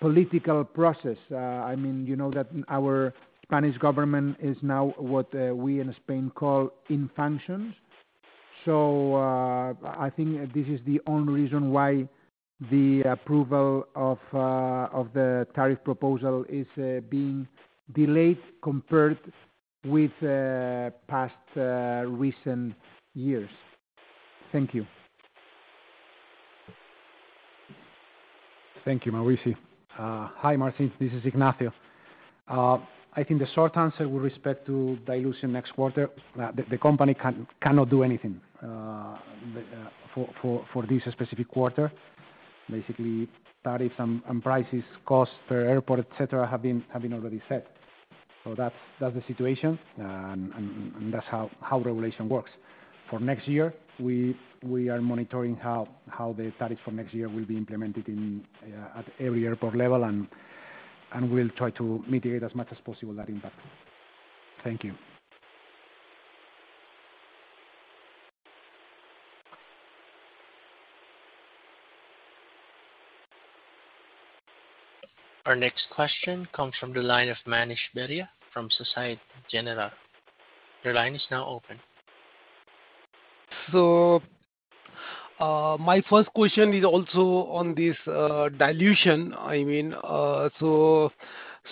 political process. I mean, you know that our Spanish government is now what we in Spain call in functions. I think this is the only reason why the approval of the tariff proposal is being delayed compared with past recent years. Thank you. Thank you, Maurici. Hi, Marcin. This is Ignacio. I think the short answer with respect to dilution next quarter, the company cannot do anything for this specific quarter. Basically, tariffs and prices, costs per airport, et cetera, have been already set. So that's the situation. And that's how regulation works. For next year, we are monitoring how the tariffs for next year will be implemented at every airport level, and we'll try to mitigate as much as possible that impact. Thank you. Our next question comes from the line of Manish Beria from Société Générale. Your line is now open. So, my first question is also on this, dilution. I mean,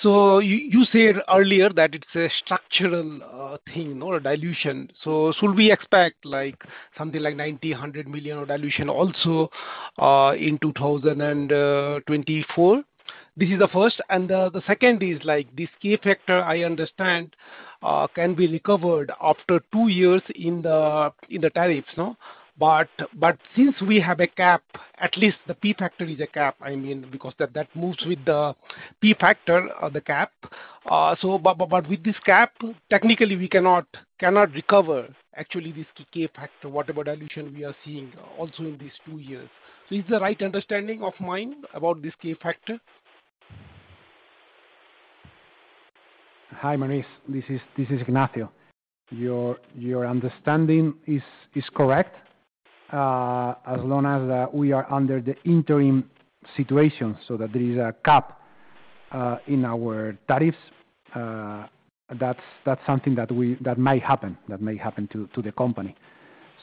so you said earlier that it's a structural thing or dilution. So should we expect like something like 90-100 million of dilution also in 2024? This is the first, and the second is like, this K-factor. I understand can be recovered after two years in the tariffs, no? But since we have a cap, at least the P-factor is a cap, I mean, because that moves with the P-factor or the cap. So but with this cap, technically, we cannot recover actually this K-factor, whatever dilution we are seeing also in these two years. So is the right understanding of mine about this K-factor? Hi, Manish. This is Ignacio. Your understanding is correct, as long as we are under the interim situation, so that there is a cap in our tariffs, that's something that we that may happen, that may happen to the company.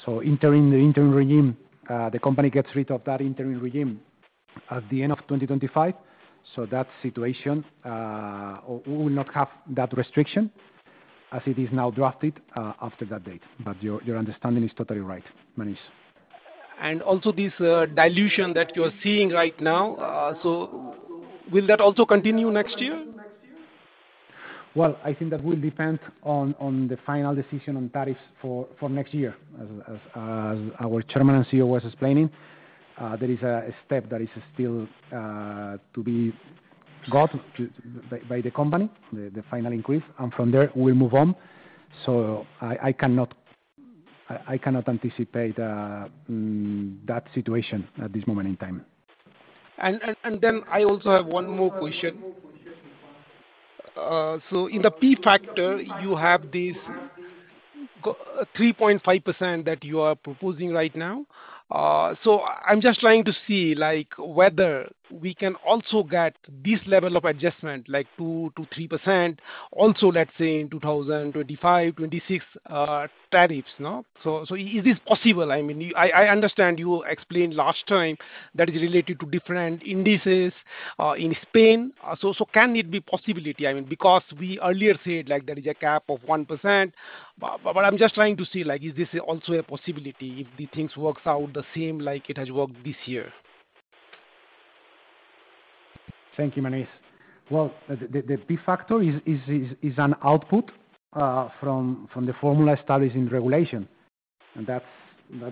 So interim, the interim regime, the company gets rid of that interim regime at the end of 2025, so that situation, we will not have that restriction as it is now drafted, after that date. But your understanding is totally right, Manish. And also this dilution that you're seeing right now, so will that also continue next year? Well, I think that will depend on the final decision on tariffs for next year. As our Chairman and CEO was explaining, there is a step that is still to be got to by the company, the final increase, and from there, we'll move on. So I cannot anticipate that situation at this moment in time. And then I also have one more question. So in the P factor, you have this 3.5% that you are proposing right now. So I'm just trying to see, like, whether we can also get this level of adjustment, like 2%-3%, also, let's say, in 2025, 2026, tariffs, no? So is this possible? I mean, you, I understand you explained last time that is related to different indices in Spain. So can it be possibility? I mean, because we earlier said, like, there is a cap of 1%. But I'm just trying to see, like, is this also a possibility if the things works out the same like it has worked this year? Thank you, Manish. Well, the P factor is an output from the formula established in regulation, and that's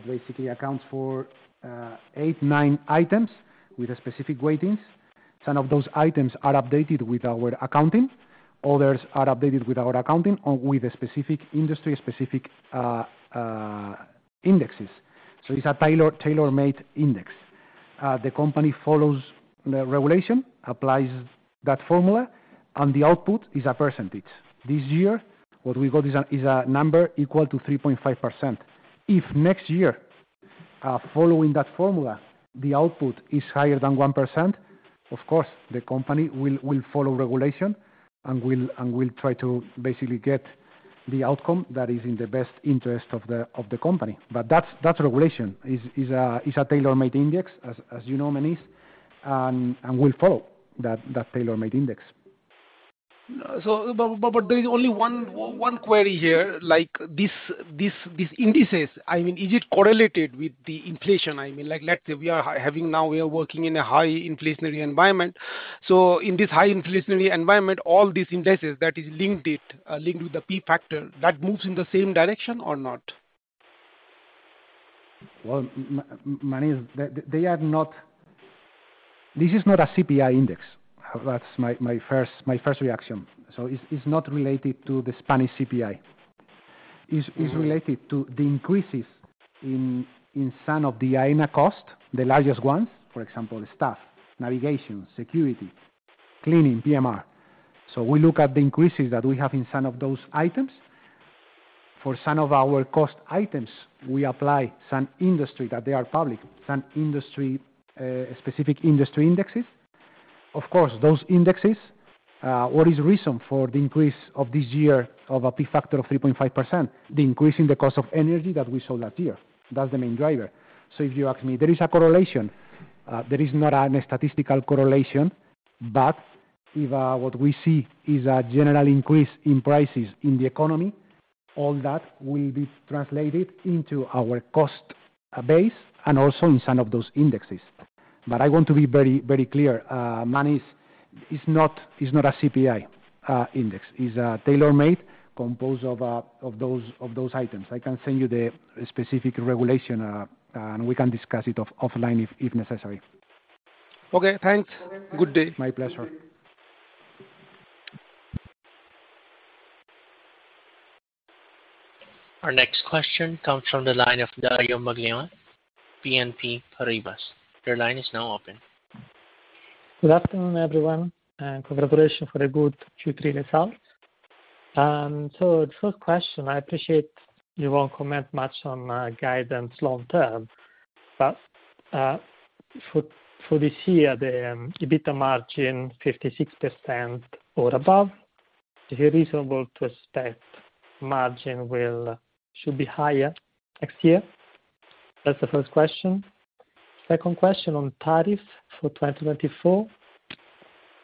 basically accounts for eight or nine items with specific weightings. Some of those items are updated with our accounting, others are updated with our accounting or with a specific industry specific indexes. So it's a tailor-made index. The company follows the regulation, applies that formula, and the output is a percentage. This year, what we got is a number equal to 3.5%. If next year, following that formula, the output is higher than 1%, of course, the company will follow regulation and will try to basically get the outcome that is in the best interest of the company. But that's regulation is a tailor-made index, as you know, Manish. And we'll follow that tailor-made index. But there is only one query here, like these indices. I mean, is it correlated with the inflation? I mean, like, let's say we are having now we are working in a high inflationary environment. So in this high inflationary environment, all these indices that is linked it, linked with the P factor, that moves in the same direction or not? Well, Manish, they are not. This is not a CPI index. That's my first reaction. So it's not related to the Spanish CPI. It's related to the increases in some of the Aena cost, the largest ones, for example, staff, navigation, security, cleaning, BMR. So we look at the increases that we have in some of those items. For some of our cost items, we apply some industry, that they are public, some industry specific industry indexes. Of course, those indexes, what is the reason for the increase of this year of a P factor of 3.5%? The increase in the cost of energy that we saw last year. That's the main driver. So if you ask me, there is a correlation. There is not any statistical correlation, but if what we see is a general increase in prices in the economy, all that will be translated into our cost base and also in some of those indexes. But I want to be very, very clear, Manish, it's not, it's not a CPI index. It's a tailor-made, composed of those items. I can send you the specific regulation, and we can discuss it offline, if necessary. Okay, thanks. Good day. My pleasure. Our next question comes from the line of Dario Maglione, BNP Paribas. Your line is now open. Good afternoon, everyone, and congratulations for a good Q3 result. So the first question, I appreciate you won't comment much on guidance long term, but for this year, the EBITDA margin 56% or above, is it reasonable to expect margin should be higher next year? That's the first question. Second question on tariff for 2024,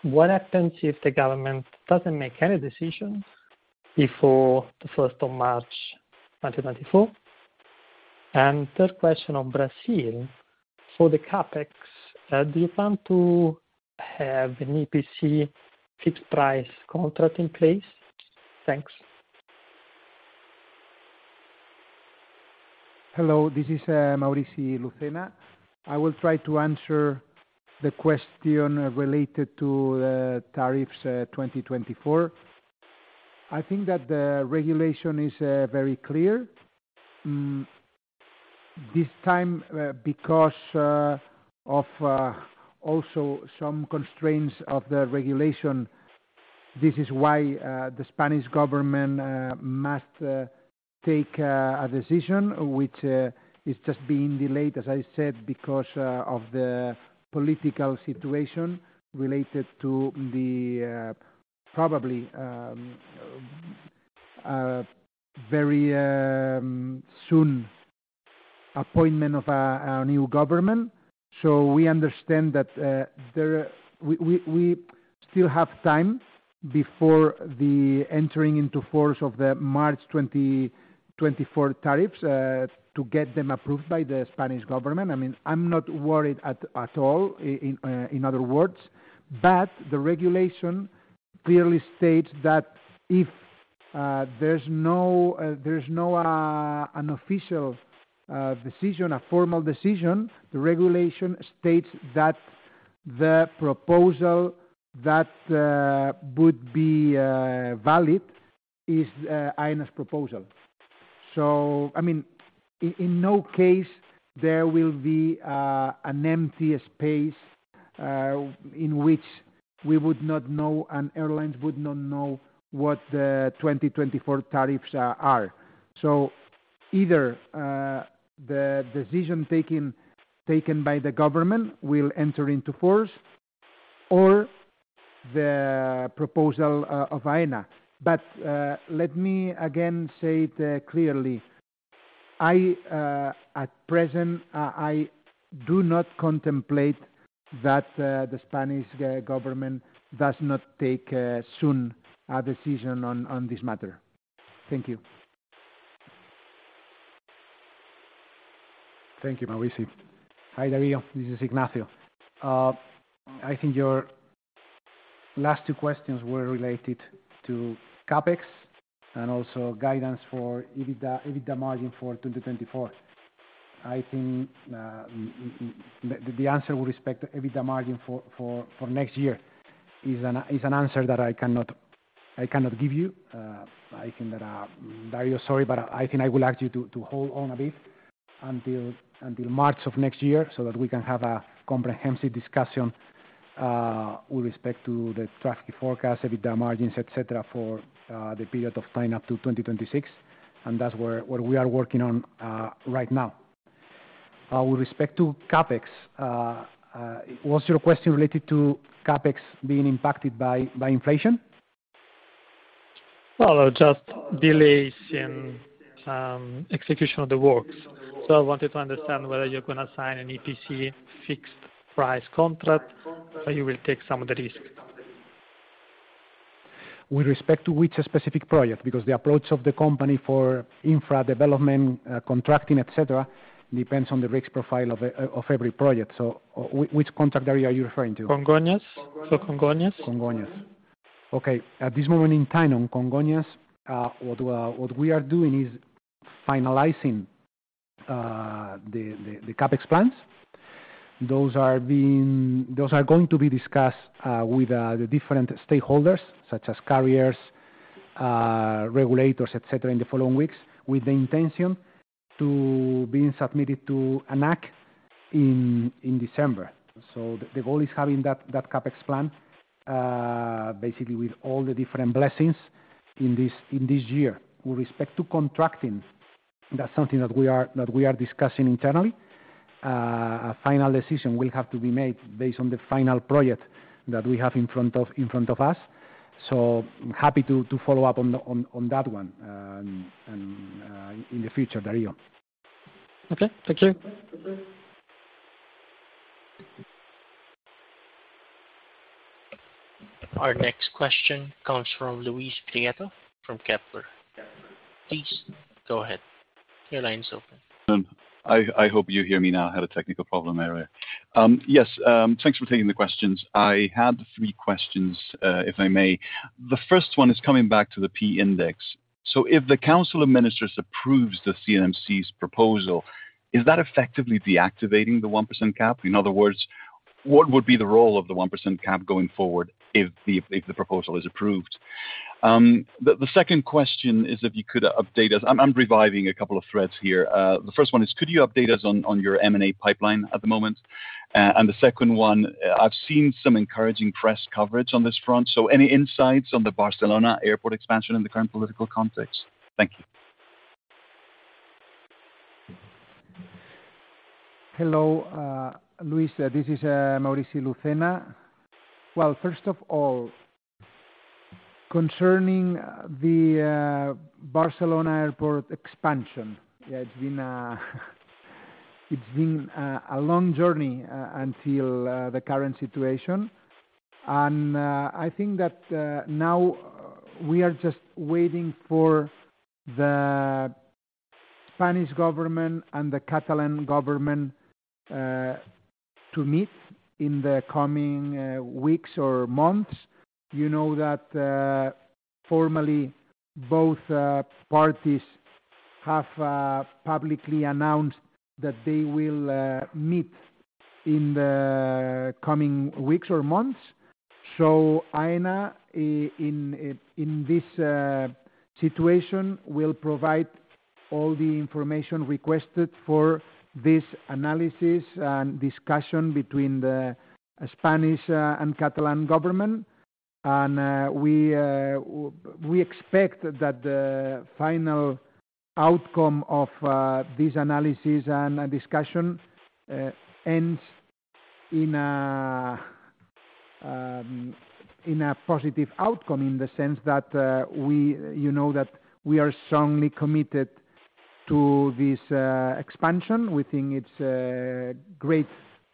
what happens if the government doesn't make any decisions before the first of March 2024? And third question on Brazil, for the CapEx, do you plan to have an EPC fixed price contract in place? Thanks. Hello, this is Maurici Lucena. I will try to answer the question related to the tariffs 2024. I think that the regulation is very clear. This time, because of also some constraints of the regulation, this is why the Spanish government must take a decision, which is just being delayed, as I said, because of the political situation related to the probably very soon appointment of a new government. So we understand that there are, We still have time before the entering into force of the March 2024 tariffs to get them approved by the Spanish government. I mean, I'm not worried at all, in other words, but the regulation clearly states that if there's no official decision, a formal decision, the regulation states that the proposal that would be valid is Aena's proposal. So, I mean, in no case there will be an empty space in which we would not know and airlines would not know what the 2024 tariffs are. So either the decision taken by the government will enter into force or the proposal of Aena. But let me again say it clearly: I, at present, I do not contemplate that the Spanish government does not take soon a decision on this matter. Thank you. Thank you, Maurici. Hi, Dario. This is Ignacio. I think your last two questions were related to CapEx and also guidance for EBITDA, EBITDA margin for 2024. I think the answer with respect to EBITDA margin for next year is an answer that I cannot give you. I think that, Dario, sorry, but I think I will ask you to hold on a bit until March of next year, so that we can have a comprehensive discussion with respect to the traffic forecast, EBITDA margins, et cetera, for the period of time up to 2026, and that's where, what we are working on right now. With respect to CapEx, was your question related to CapEx being impacted by inflation? Well, just delays in execution of the works. So I wanted to understand whether you're going to sign an EPC fixed-price contract, or you will take some of the risk? With respect to which specific project? Because the approach of the company for infra development, contracting, et cetera, depends on the risk profile of every project. So which contract area are you referring to? Congonhas. So Congonhas. Congonhas. Okay. At this moment in time, on Congonhas, what we are doing is finalizing the CapEx plans. Those are being, Those are going to be discussed with the different stakeholders, such as carriers, regulators, et cetera, in the following weeks, with the intention to being submitted to ANAC in December. So the goal is having that CapEx plan basically with all the different blessings in this year. With respect to contracting, that's something that we are discussing internally. A final decision will have to be made based on the final project that we have in front of us. So I'm happy to follow up on that one and in the future, Dario. Okay, thank you. Our next question comes from Luis Prieto from Kepler. Please go ahead. Your line is open. I hope you hear me now. I had a technical problem earlier. Yes, thanks for taking the questions. I had three questions, if I may. The first one is coming back to the P index. So if the Council of Ministers approves the CNMC's proposal, is that effectively deactivating the 1% cap? In other words, what would be the role of the 1% cap going forward if the proposal is approved? The second question is if you could update us. I'm reviving a couple of threads here. The first one is, could you update us on your M&A pipeline at the moment? And the second one, I've seen some encouraging press coverage on this front, so any insights on the Barcelona airport expansion in the current political context? Thank you. Hello, Luis, this is Maurici Lucena. Well, first of all, concerning the Barcelona airport expansion, yeah, it's been a long journey until the current situation. And I think that now we are just waiting for the Spanish government and the Catalan government to meet in the coming weeks or months. You know that formally, both parties have publicly announced that they will meet in the coming weeks or months. So Aena, in this situation, will provide all the information requested for this analysis and discussion between the Spanish and Catalan government. We expect that the final outcome of this analysis and discussion ends in a positive outcome, in the sense that you know that we are strongly committed to this expansion. We think it's great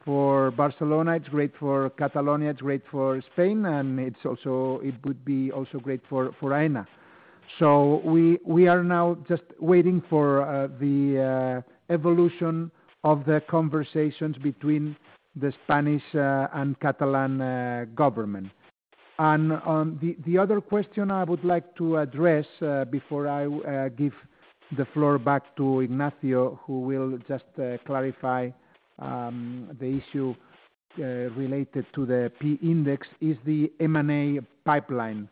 for Barcelona, it's great for Catalonia, it's great for Spain, and it's also, it would be also great for Aena. So we are now just waiting for the evolution of the conversations between the Spanish and Catalan government. The other question I would like to address before I give the floor back to Ignacio, who will just clarify the issue related to the P index, is the M&A pipeline.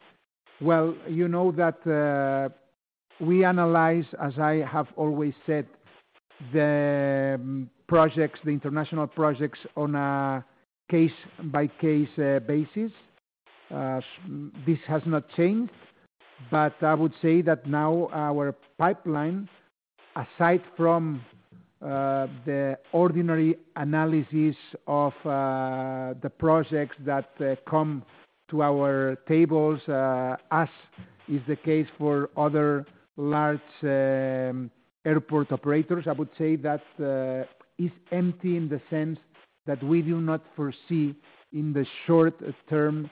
Well, you know that we analyze, as I have always said, the projects, the international projects on a case-by-case basis. This has not changed, but I would say that now our pipeline, aside from the ordinary analysis of the projects that come to our tables, as is the case for other large airport operators, I would say that is empty in the sense that we do not foresee in the short term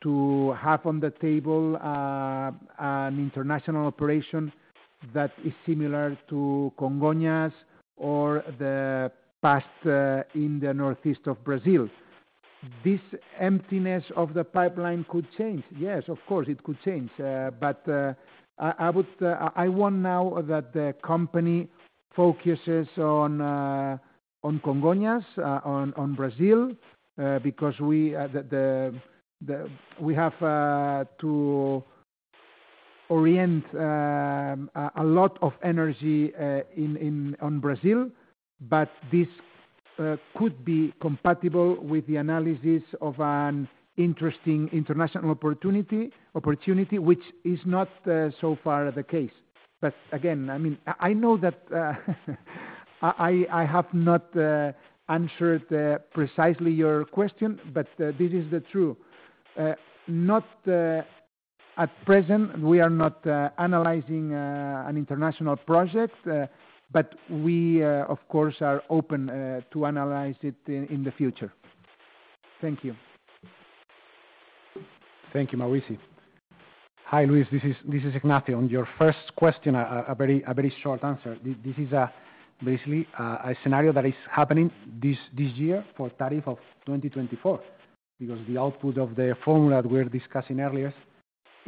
to have on the table an international operation that is similar to Congonhas or the past in the northeast of Brazil. This emptiness of the pipeline could change? Yes, of course, it could change. But I would want now that the company focuses on Congonhas, on Brazil, because we have to orient a lot of energy in on Brazil, but this could be compatible with the analysis of an interesting international opportunity, which is not so far the case. But again, I mean, I know that I have not answered precisely your question, but this is the true. Not at present, we are not analyzing an international project, but we of course are open to analyze it in the future. Thank you. Thank you, Maurici. Hi, Luis. This is Ignacio. On your first question, a very short answer. This is basically a scenario that is happening this year for tariff of 2024, because the output of the formula that we were discussing earlier is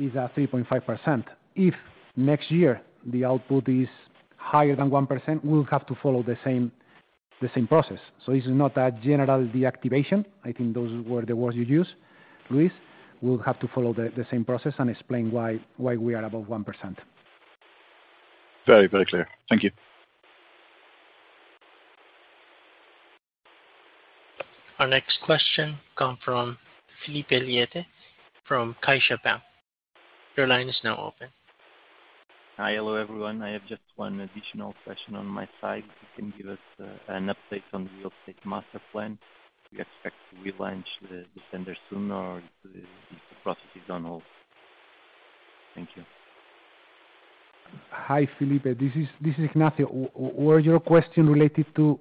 at 3.5%. If next year the output is higher than 1%, we'll have to follow the same process. So this is not a general deactivation. I think those were the words you used, Luis. We'll have to follow the same process and explain why we are above 1%. Very, very clear. Thank you. Our next question come from Filipe Leite from Caixabank. Your line is now open. Hi. Hello, everyone. I have just one additional question on my side. Can you give us an update on the real estate master plan? Do you expect to relaunch the tender sooner, or the process is on hold? Thank you. Hi, Filipe. This is Ignacio. Were your question related to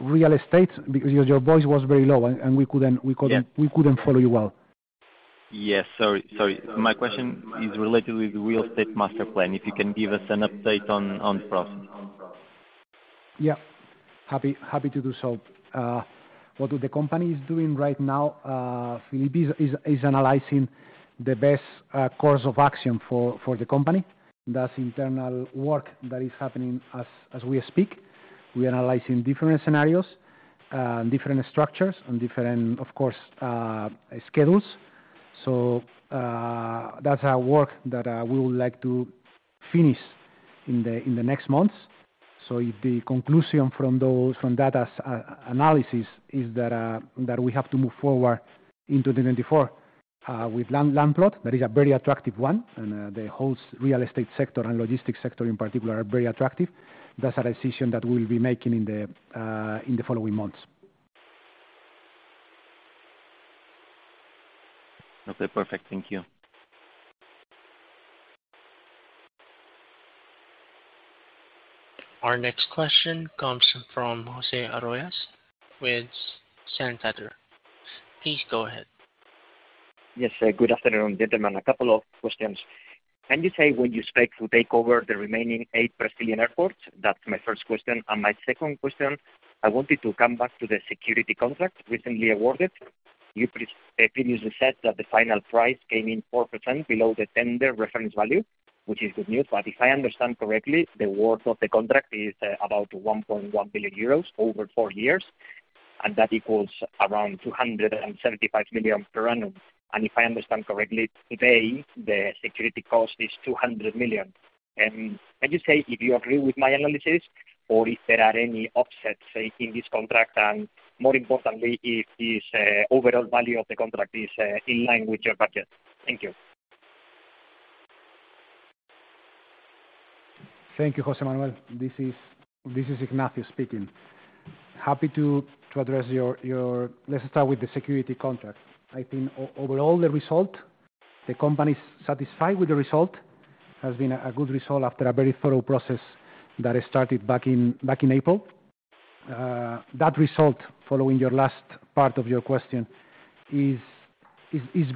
real estate? Because your voice was very low and we couldn't- Yeah. We couldn't follow you well. Yes, sorry, sorry. My question is related with the real estate master plan, if you can give us an update on progress. Yeah. Happy, happy to do so. What the company is doing right now, Filipe, is analyzing the best course of action for the company. That's internal work that is happening as we speak. We're analyzing different scenarios, different structures, and different, of course, schedules. So, that's a work that we would like to finish in the next months. So if the conclusion from that analysis is that we have to move forward into the [inaudible] with land plot, that is a very attractive one, and the whole real estate sector and logistics sector in particular are very attractive. That's a decision that we'll be making in the following months. Okay, perfect. Thank you. Our next question comes from José Arroyas with Santander. Please go ahead. Yes, good afternoon, gentlemen. A couple of questions. Can you say when you expect to take over the remaining eight Brazilian airports? That's my first question. My second question, I wanted to come back to the security contract recently awarded. You previously said that the final price came in 4% below the tender reference value, which is good news, but if I understand correctly, the worth of the contract is, about 1.1 billion euros over four years, and that equals around 275 million per annum. If I understand correctly, today, the security cost is 200 million. Can you say if you agree with my analysis, or if there are any offsets, say, in this contract, and more importantly, if this, overall value of the contract is, in line with your budget? Thank you. Thank you, José Manuel. This is Ignacio speaking. Happy to address your, Let's start with the security contract. I think overall, the result, the company is satisfied with the result. It has been a good result after a very thorough process that started back in April. That result, following your last part of your question, is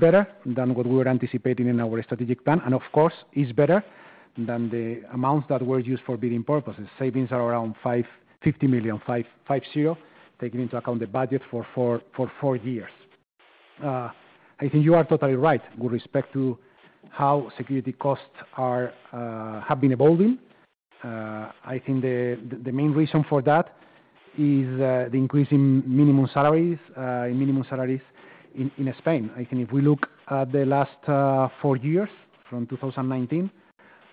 better than what we were anticipating in our strategic plan, and of course, is better than the amounts that were used for bidding purposes. Savings are around 50 million, taking into account the budget for four years. I think you are totally right with respect to how security costs are, have been evolving. I think the main reason for that is the increase in minimum salaries in Spain. I think if we look at the last four years, from 2019,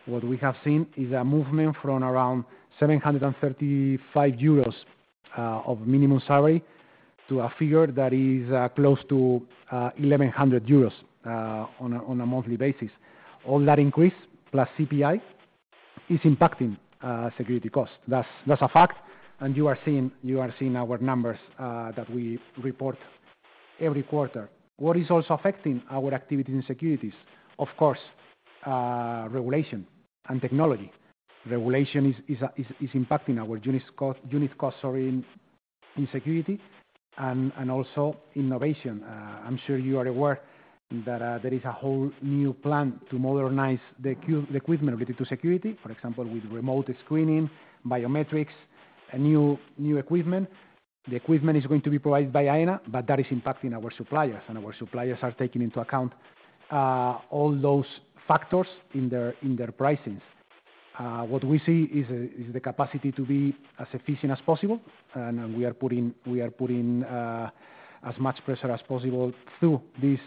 what we have seen is a movement from around 735 euros of minimum salary, to a figure that is close to 1,100 euros on a monthly basis. All that increase, plus CPI, is impacting security costs. That's a fact, and you are seeing our numbers that we report every quarter. What is also affecting our activity in security? Of course, regulation and technology. Regulation is impacting our unit costs, sorry, in security and also innovation. I'm sure you are aware that there is a whole new plan to modernize the equipment related to security, for example, with remote screening, biometrics, and new, new equipment. The equipment is going to be provided by Aena, but that is impacting our suppliers, and our suppliers are taking into account all those factors in their, in their pricings. What we see is the capacity to be as efficient as possible, and we are putting as much pressure as possible through this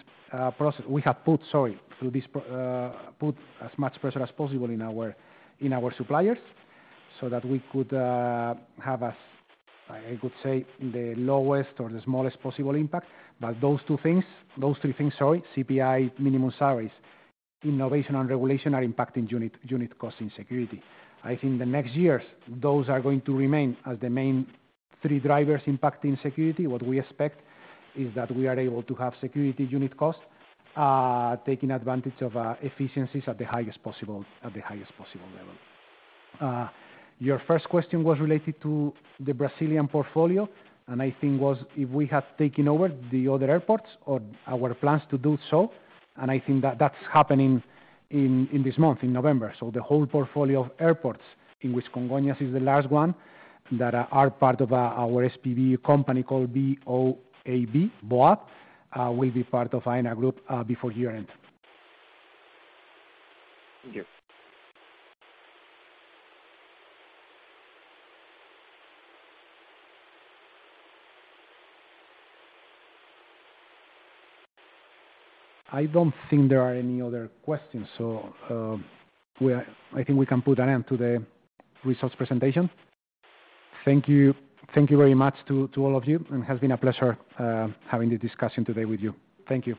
process. We have put, sorry, through this process put as much pressure as possible in our suppliers so that we could have a, I could say, the lowest or the smallest possible impact. But those two things, those three things, sorry, CPI, minimum salaries, innovation, and regulation, are impacting unit cost in security. I think the next years, those are going to remain as the main three drivers impacting security. What we expect is that we are able to have security unit costs taking advantage of efficiencies at the highest possible, at the highest possible level. Your first question was related to the Brazilian portfolio, and I think was if we have taken over the other airports or our plans to do so, and I think that that's happening in this month, in November. So the whole portfolio of airports, in which Congonhas is the last one, that are part of our SPV company called B-O-A-B, BOAB, will be part of Aena Group before year end. Thank you. I don't think there are any other questions, so I think we can put an end to the results presentation. Thank you. Thank you very much to all of you, and it has been a pleasure having the discussion today with you. Thank you.